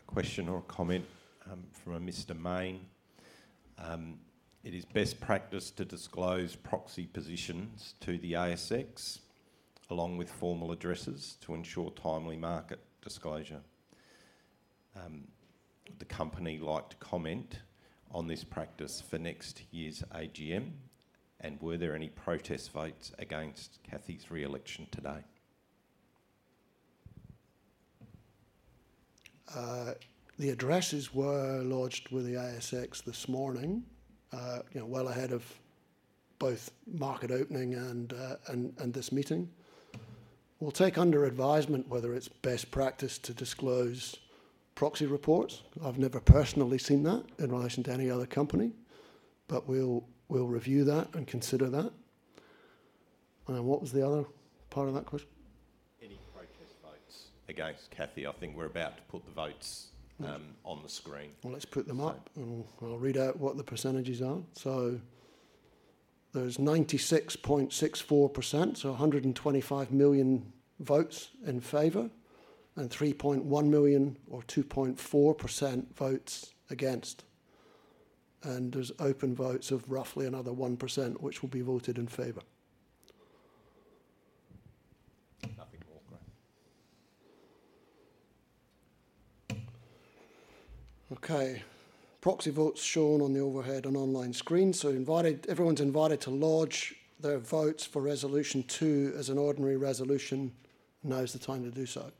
question or a comment from a Mr. Mayne. It is best practice to disclose proxy positions to the ASX, along with formal addresses, to ensure timely market disclosure. Would the company like to comment on this practice for next year's AGM, and were there any protest votes against Kathy's re-election today? The addresses were lodged with the ASX this morning, you know, well ahead of both market opening and this meeting. We'll take under advisement whether it's best practice to disclose proxy reports. I've never personally seen that in relation to any other company, but we'll review that and consider that. And what was the other part of that question? Any protest votes against Kathy? I think we're about to put the votes on the screen. Let's put them up, and I'll read out what the percentages are. There's 96.64%, so 125 million votes in favor, and 3.1 million, or 2.4%, votes against. There's open votes of roughly another 1%, which will be voted in favor. Nothing more, Graeme. Okay. Proxy votes shown on the overhead and online screen, so everyone's invited to lodge their votes for Resolution Two as an ordinary resolution. Now is the time to do so.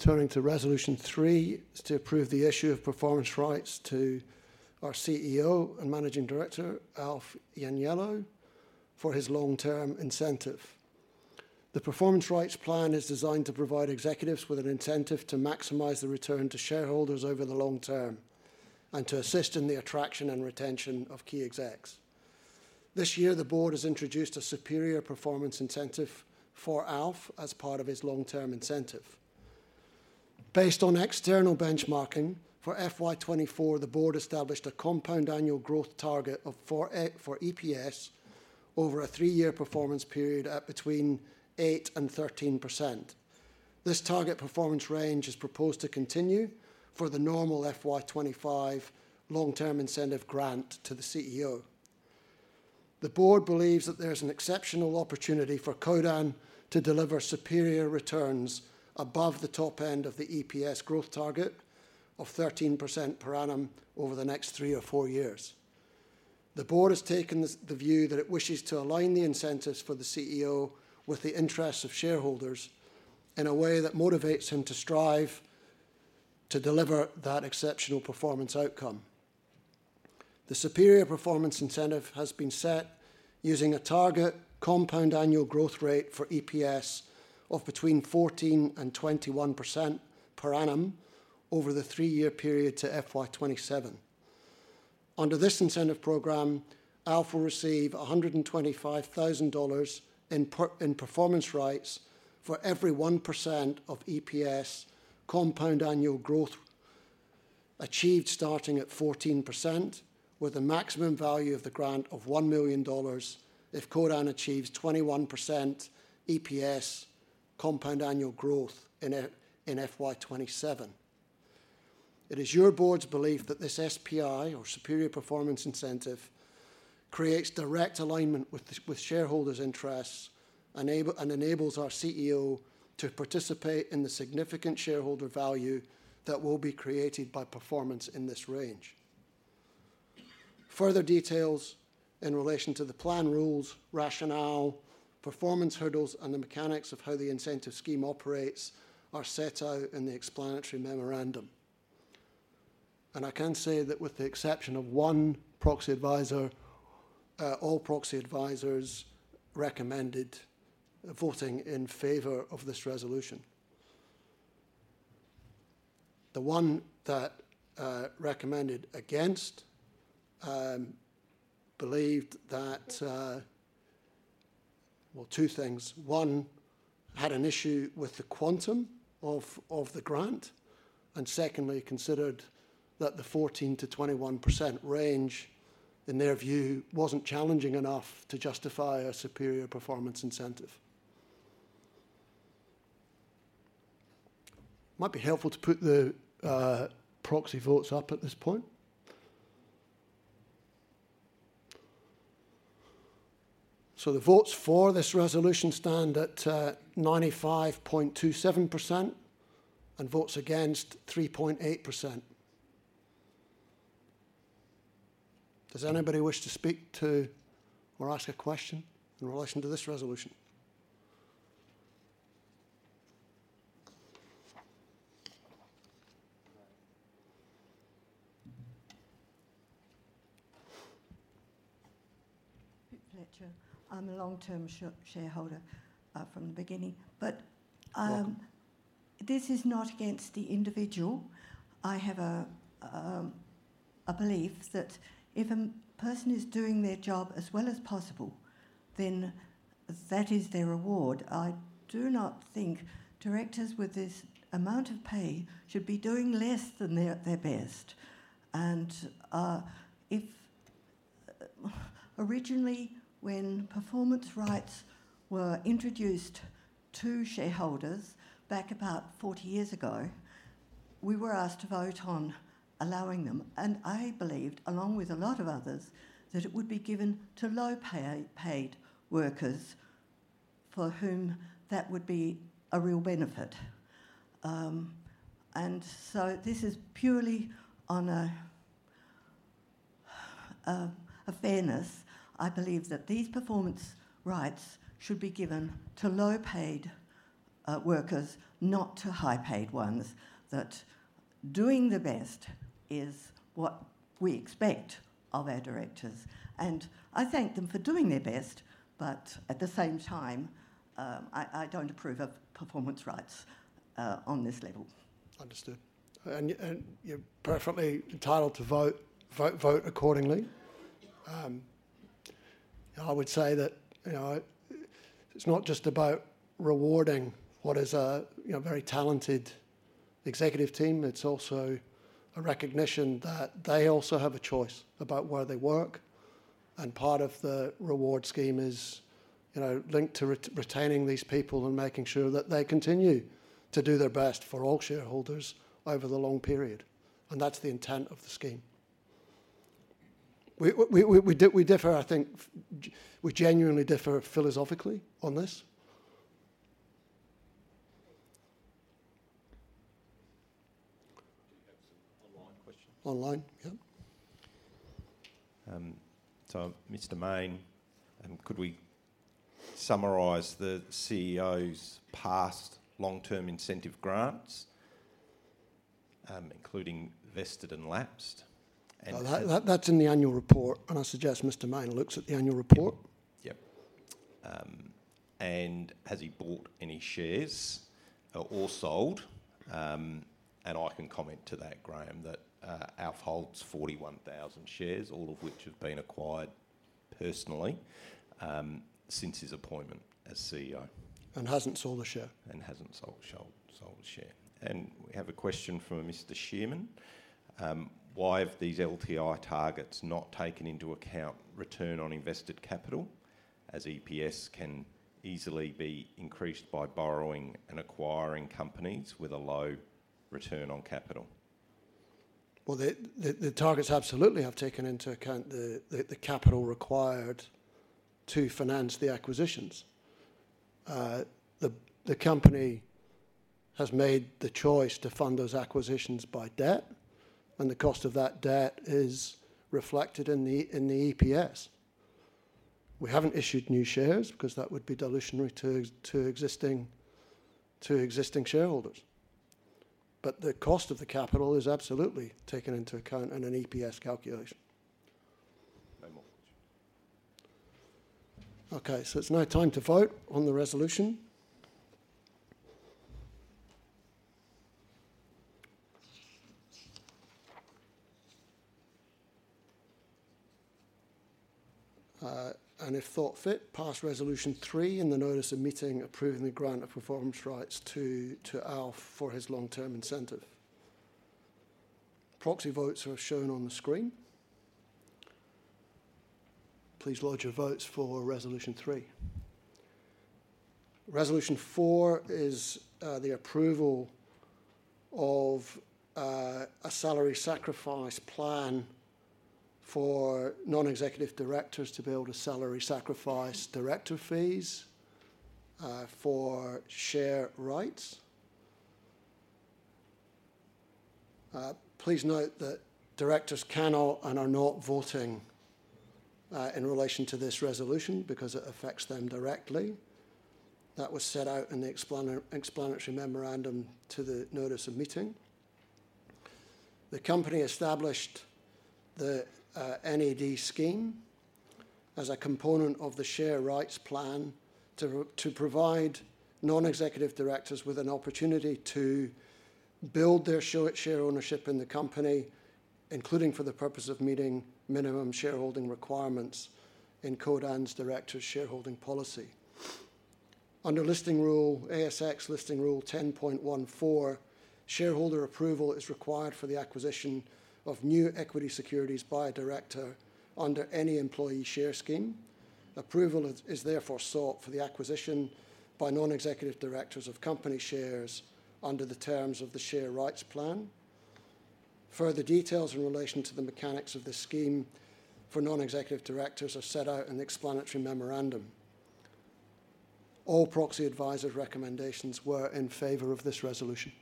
Okay, turning to Resolution Three, is to approve the issue of performance rights to our CEO and Managing Director, Alf Ianniello, for his long-term incentive. The performance rights plan is designed to provide executives with an incentive to maximize the return to shareholders over the long term and to assist in the attraction and retention of key execs. This year, the board has introduced a superior performance incentive for Alf as part of his long-term incentive. Based on external benchmarking for FY 2024, the board established a compound annual growth target of 4% for EPS over a three-year performance period at between 8% and 13%. This target performance range is proposed to continue for the normal FY 2025 long-term incentive grant to the CEO. The board believes that there's an exceptional opportunity for Codan to deliver superior returns above the top end of the EPS growth target of 13% per annum over the next three or four years. The board has taken this view that it wishes to align the incentives for the CEO with the interests of shareholders in a way that motivates him to strive to deliver that exceptional performance outcome. The superior performance incentive has been set using a target compound annual growth rate for EPS of between 14% and 21% per annum over the three-year period to FY 2027. Under this incentive program, Alf will receive 125,000 dollars in performance rights for every 1% of EPS compound annual growth achieved, starting at 14%, with a maximum value of the grant of 1 million dollars if Codan achieves 21% EPS compound annual growth in FY 2027. It is your board's belief that this SPI, or superior performance incentive, creates direct alignment with shareholders' interests and enables our CEO to participate in the significant shareholder value that will be created by performance in this range. Further details in relation to the plan rules, rationale, performance hurdles, and the mechanics of how the incentive scheme operates are set out in the explanatory memorandum. I can say that with the exception of one proxy advisor, all proxy advisors recommended voting in favor of this resolution. The one that recommended against believed that. Well, two things. One, had an issue with the quantum of the grant, and secondly, considered that the 14%-21% range, in their view, wasn't challenging enough to justify a superior performance incentive. It might be helpful to put the proxy votes up at this point. So the votes for this resolution stand at 95.27%, and votes against 3.8%. Does anybody wish to speak to or ask a question in relation to this resolution? Pip Fletcher. I'm a long-term shareholder from the beginning. But this is not against the individual. I have a belief that if a person is doing their job as well as possible, then that is their reward. I do not think directors with this amount of pay should be doing less than their best. And if originally, when performance rights were introduced to shareholders back about forty years ago, we were asked to vote on allowing them, and I believed, along with a lot of others, that it would be given to low-paid workers for whom that would be a real benefit. And so this is purely on a fairness. I believe that these performance rights should be given to low-paid workers, not to high-paid ones. That doing their best is what we expect of our directors, and I thank them for doing their best, but at the same time, I don't approve of performance rights on this level. Understood. And you're perfectly entitled to vote accordingly. I would say that, you know, it's not just about rewarding what is a, you know, very talented executive team. It's also a recognition that they also have a choice about where they work, and part of the reward scheme is, you know, linked to retaining these people and making sure that they continue to do their best for all shareholders over the long period, and that's the intent of the scheme. We differ. I think we genuinely differ philosophically on this. We have some online questions. Online? Yeah. Mr. Main, could we summarize the CEO's past long-term incentive grants, including vested and lapsed? And That's in the annual report, and I suggest Mr. Mayne looks at the annual report. Yep. Has he bought any shares or sold? I can comment to that, Graeme, that Alf holds 41,000 shares, all of which have been acquired personally since his appointment as CEO. Hasn't sold a share. Hasn't sold a share. We have a question from a Mr. Shearman: Why have these LTI targets not taken into account return on invested capital, as EPS can easily be increased by borrowing and acquiring companies with a low return on capital? The targets absolutely have taken into account the capital required to finance the acquisitions. The company has made the choice to fund those acquisitions by debt, and the cost of that debt is reflected in the EPS. We haven't issued new shares, because that would be dilutionary to existing shareholders. But the cost of the capital is absolutely taken into account in an EPS calculation. No more questions. Okay, so it's now time to vote on the resolution. And if thought fit, pass Resolution three in the notice of meeting, approving the grant of performance rights to Alf for his long-term incentive. Proxy votes are shown on the screen. Please lodge your votes for Resolution three. Resolution four is the approval of a salary sacrifice plan for non-executive directors to build a salary sacrifice director fees for share rights. Please note that directors cannot and are not voting in relation to this resolution because it affects them directly. That was set out in the explanatory memorandum to the notice of meeting. The company established the NED scheme as a component of the share rights plan to provide non-executive directors with an opportunity to build their share ownership in the company, including for the purpose of meeting minimum shareholding requirements in Codan's director shareholding policy. Under ASX Listing Rule 10.14, shareholder approval is required for the acquisition of new equity securities by a director under any employee share scheme. Approval is therefore sought for the acquisition by non-executive directors of company shares under the terms of the share rights plan. Further details in relation to the mechanics of this scheme for non-executive directors are set out in the explanatory memorandum. All proxy advisor recommendations were in favor of this resolution.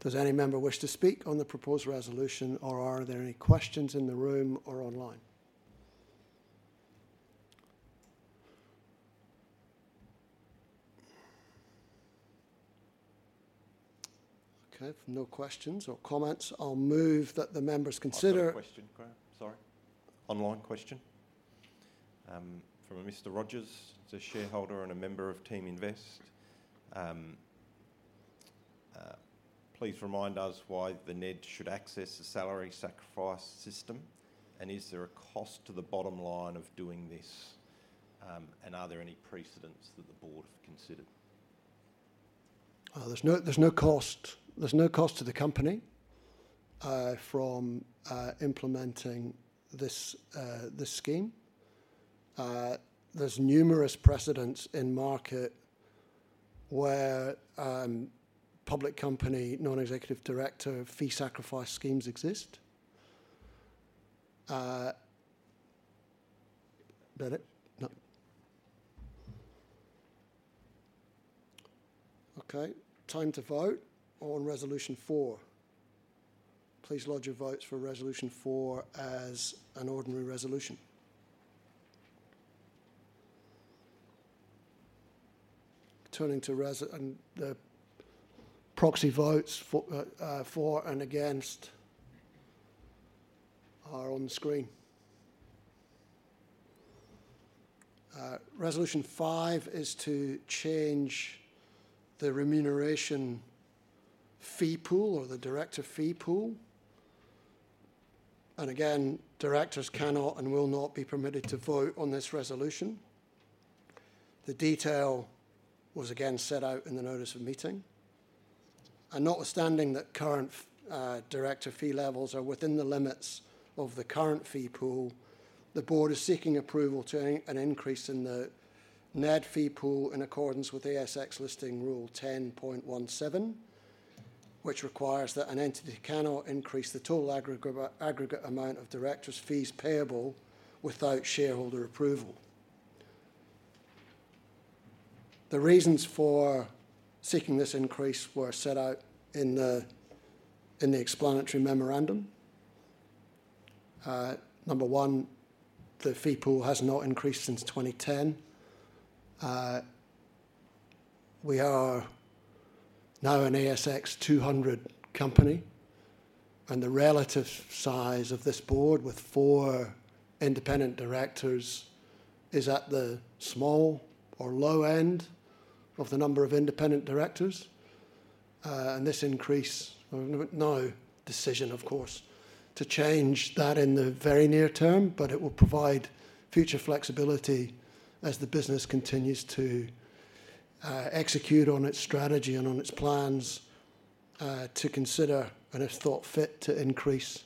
Does any member wish to speak on the proposed resolution, or are there any questions in the room or online? Okay, if no questions or comments, I'll move that the members consider. I've got a question, Graeme. Sorry. Online question from a Mr. Rogers, he's a shareholder and a member of Team Invest. Please remind us why the NED should access the salary sacrifice system, and is there a cost to the bottom line of doing this, and are there any precedents that the board have considered? There's no cost to the company from implementing this scheme. There's numerous precedents in market where public company non-executive director fee sacrifice schemes exist. Bennett? No. Okay, time to vote on Resolution Four. Please lodge your votes for Resolution Four as an ordinary resolution. Turning to res and the proxy votes for and against are on the screen. Resolution Five is to change the remuneration fee pool or the director fee pool, and again, directors cannot and will not be permitted to vote on this resolution. The detail was again set out in the notice of meeting, and notwithstanding that current director fee levels are within the limits of the current fee pool, the board is seeking approval to an increase in the NED fee pool in accordance with ASX Listing Rule 10.17, which requires that an entity cannot increase the total aggregate amount of directors' fees payable without shareholder approval. The reasons for seeking this increase were set out in the explanatory memorandum. Number one, the fee pool has not increased since 2010. We are now an ASX 200 company, and the relative size of this board, with four independent directors, is at the small or low end of the number of independent directors. And this increase, no decision, of course, to change that in the very near term, but it will provide future flexibility as the business continues to execute on its strategy and on its plans to consider, and if thought fit, to increase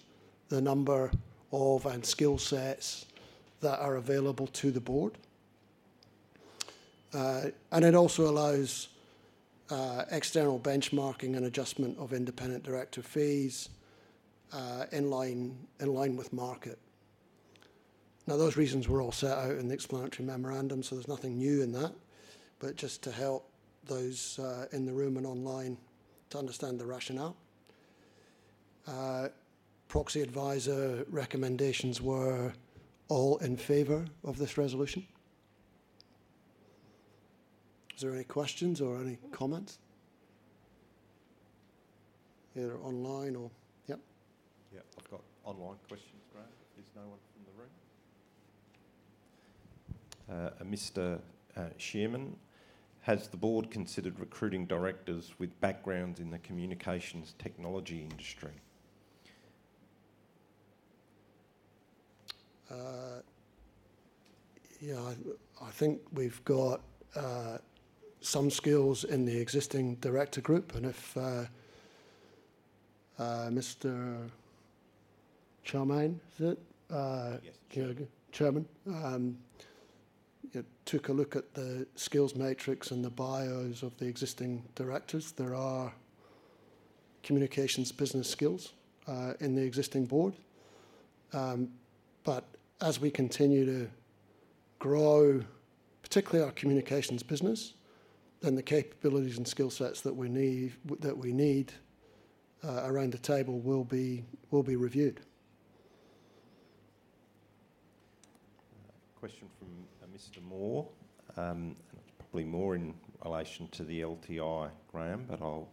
the number of, and skill sets that are available to the board. And it also allows external benchmarking and adjustment of independent director fees in line with market. Now, those reasons were all set out in the explanatory memorandum, so there's nothing new in that, but just to help those in the room and online to understand the rationale. Proxy advisor recommendations were all in favor of this resolution. Is there any questions or any comments? Either online or, Yep. Yeah, I've got online questions, Graeme. There's no one from the room. A Mr. Shearman: Has the board considered recruiting directors with backgrounds in the communications technology industry? Yeah, I think we've got some skills in the existing director group, and if Mr. Chairman, is it? Yes. Chairman, took a look at the skills matrix and the bios of the existing directors. There are communications business skills in the existing board. But as we continue to grow, particularly our communications business, then the capabilities and skill sets that we need around the table will be reviewed. Question from a Mr. Moore. Probably more in relation to the LTI, Graeme, but I'll,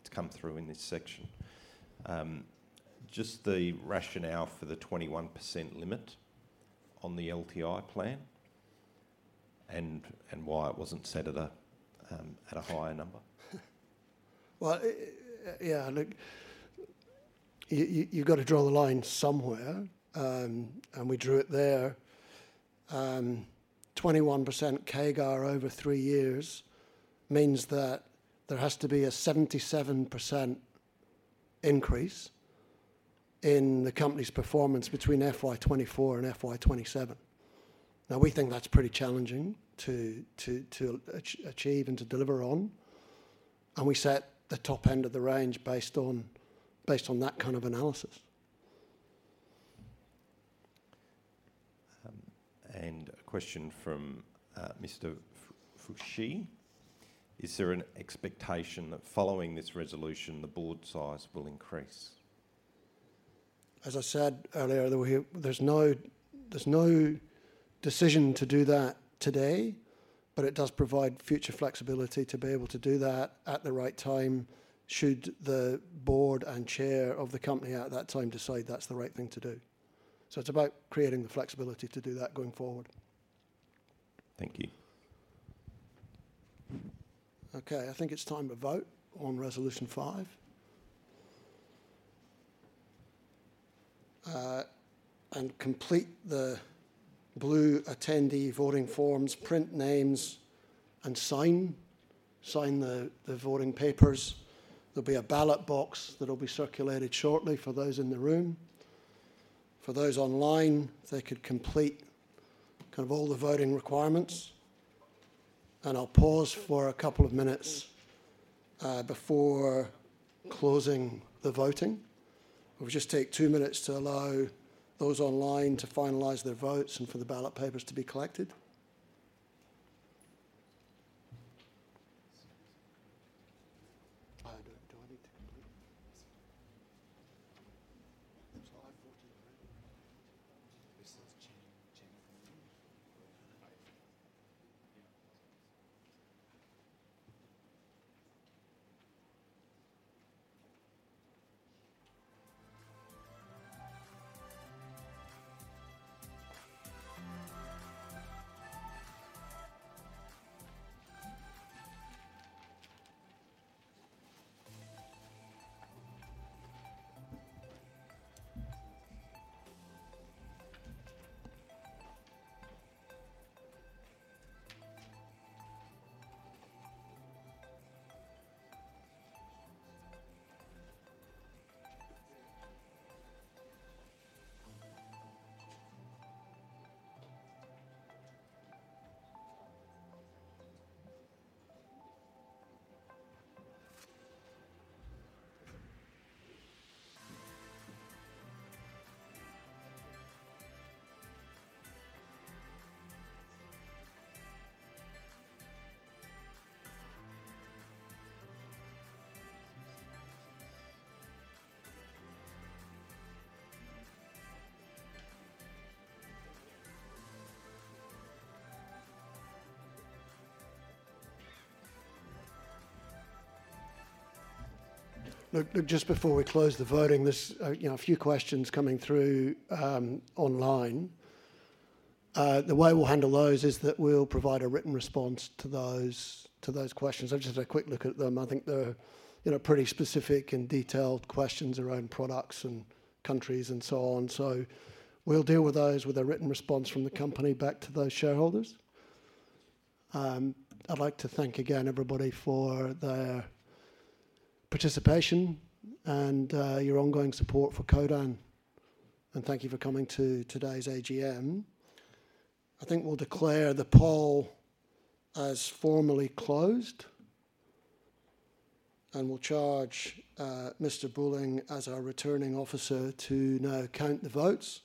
it's come through in this section. Just the rationale for the 21% limit on the LTI plan and why it wasn't set at a higher number? Yeah, look, you've got to draw the line somewhere, and we drew it there. 21% CAGR over three years means that there has to be a 77% increase in the company's performance between FY 2024 and FY 2027. Now, we think that's pretty challenging to achieve and to deliver on, and we set the top end of the range based on that kind of analysis. And a question from Mr. Fuchi: Is there an expectation that following this resolution, the board size will increase? As I said earlier, there's no decision to do that today, but it does provide future flexibility to be able to do that at the right time, should the board and chair of the company at that time decide that's the right thing to do. So it's about creating the flexibility to do that going forward. Thank you. Okay, I think it's time to vote on Resolution five. And complete the blue attendee voting forms, print names, and sign the voting papers. There'll be a ballot box that will be circulated shortly for those in the room. For those online, if they could complete kind of all the voting requirements, and I'll pause for a couple of minutes before closing the voting. We'll just take two minutes to allow those online to finalize their votes and for the ballot papers to be collected. Do I need to complete? It's 5:40 P.M., right? This is January. Look, look, just before we close the voting, there's, you know, a few questions coming through, online. The way we'll handle those is that we'll provide a written response to those, to those questions. I've just had a quick look at them. I think they're, you know, pretty specific and detailed questions around products and countries and so on. So we'll deal with those with a written response from the company back to those shareholders. I'd like to thank again, everybody, for their participation and, your ongoing support for Codan, and thank you for coming to today's AGM. I think we'll declare the poll as formally closed, and we'll charge, Mr. Bulling, as our Returning Officer, to now count the votes.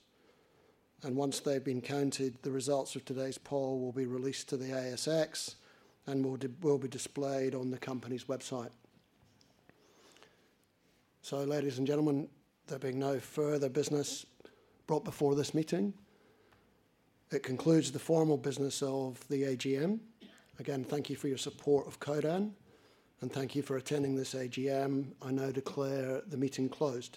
And once they've been counted, the results of today's poll will be released to the ASX and will be displayed on the company's website. So, ladies and gentlemen, there being no further business brought before this meeting, it concludes the formal business of the AGM. Again, thank you for your support of Codan, and thank you for attending this AGM. I now declare the meeting closed.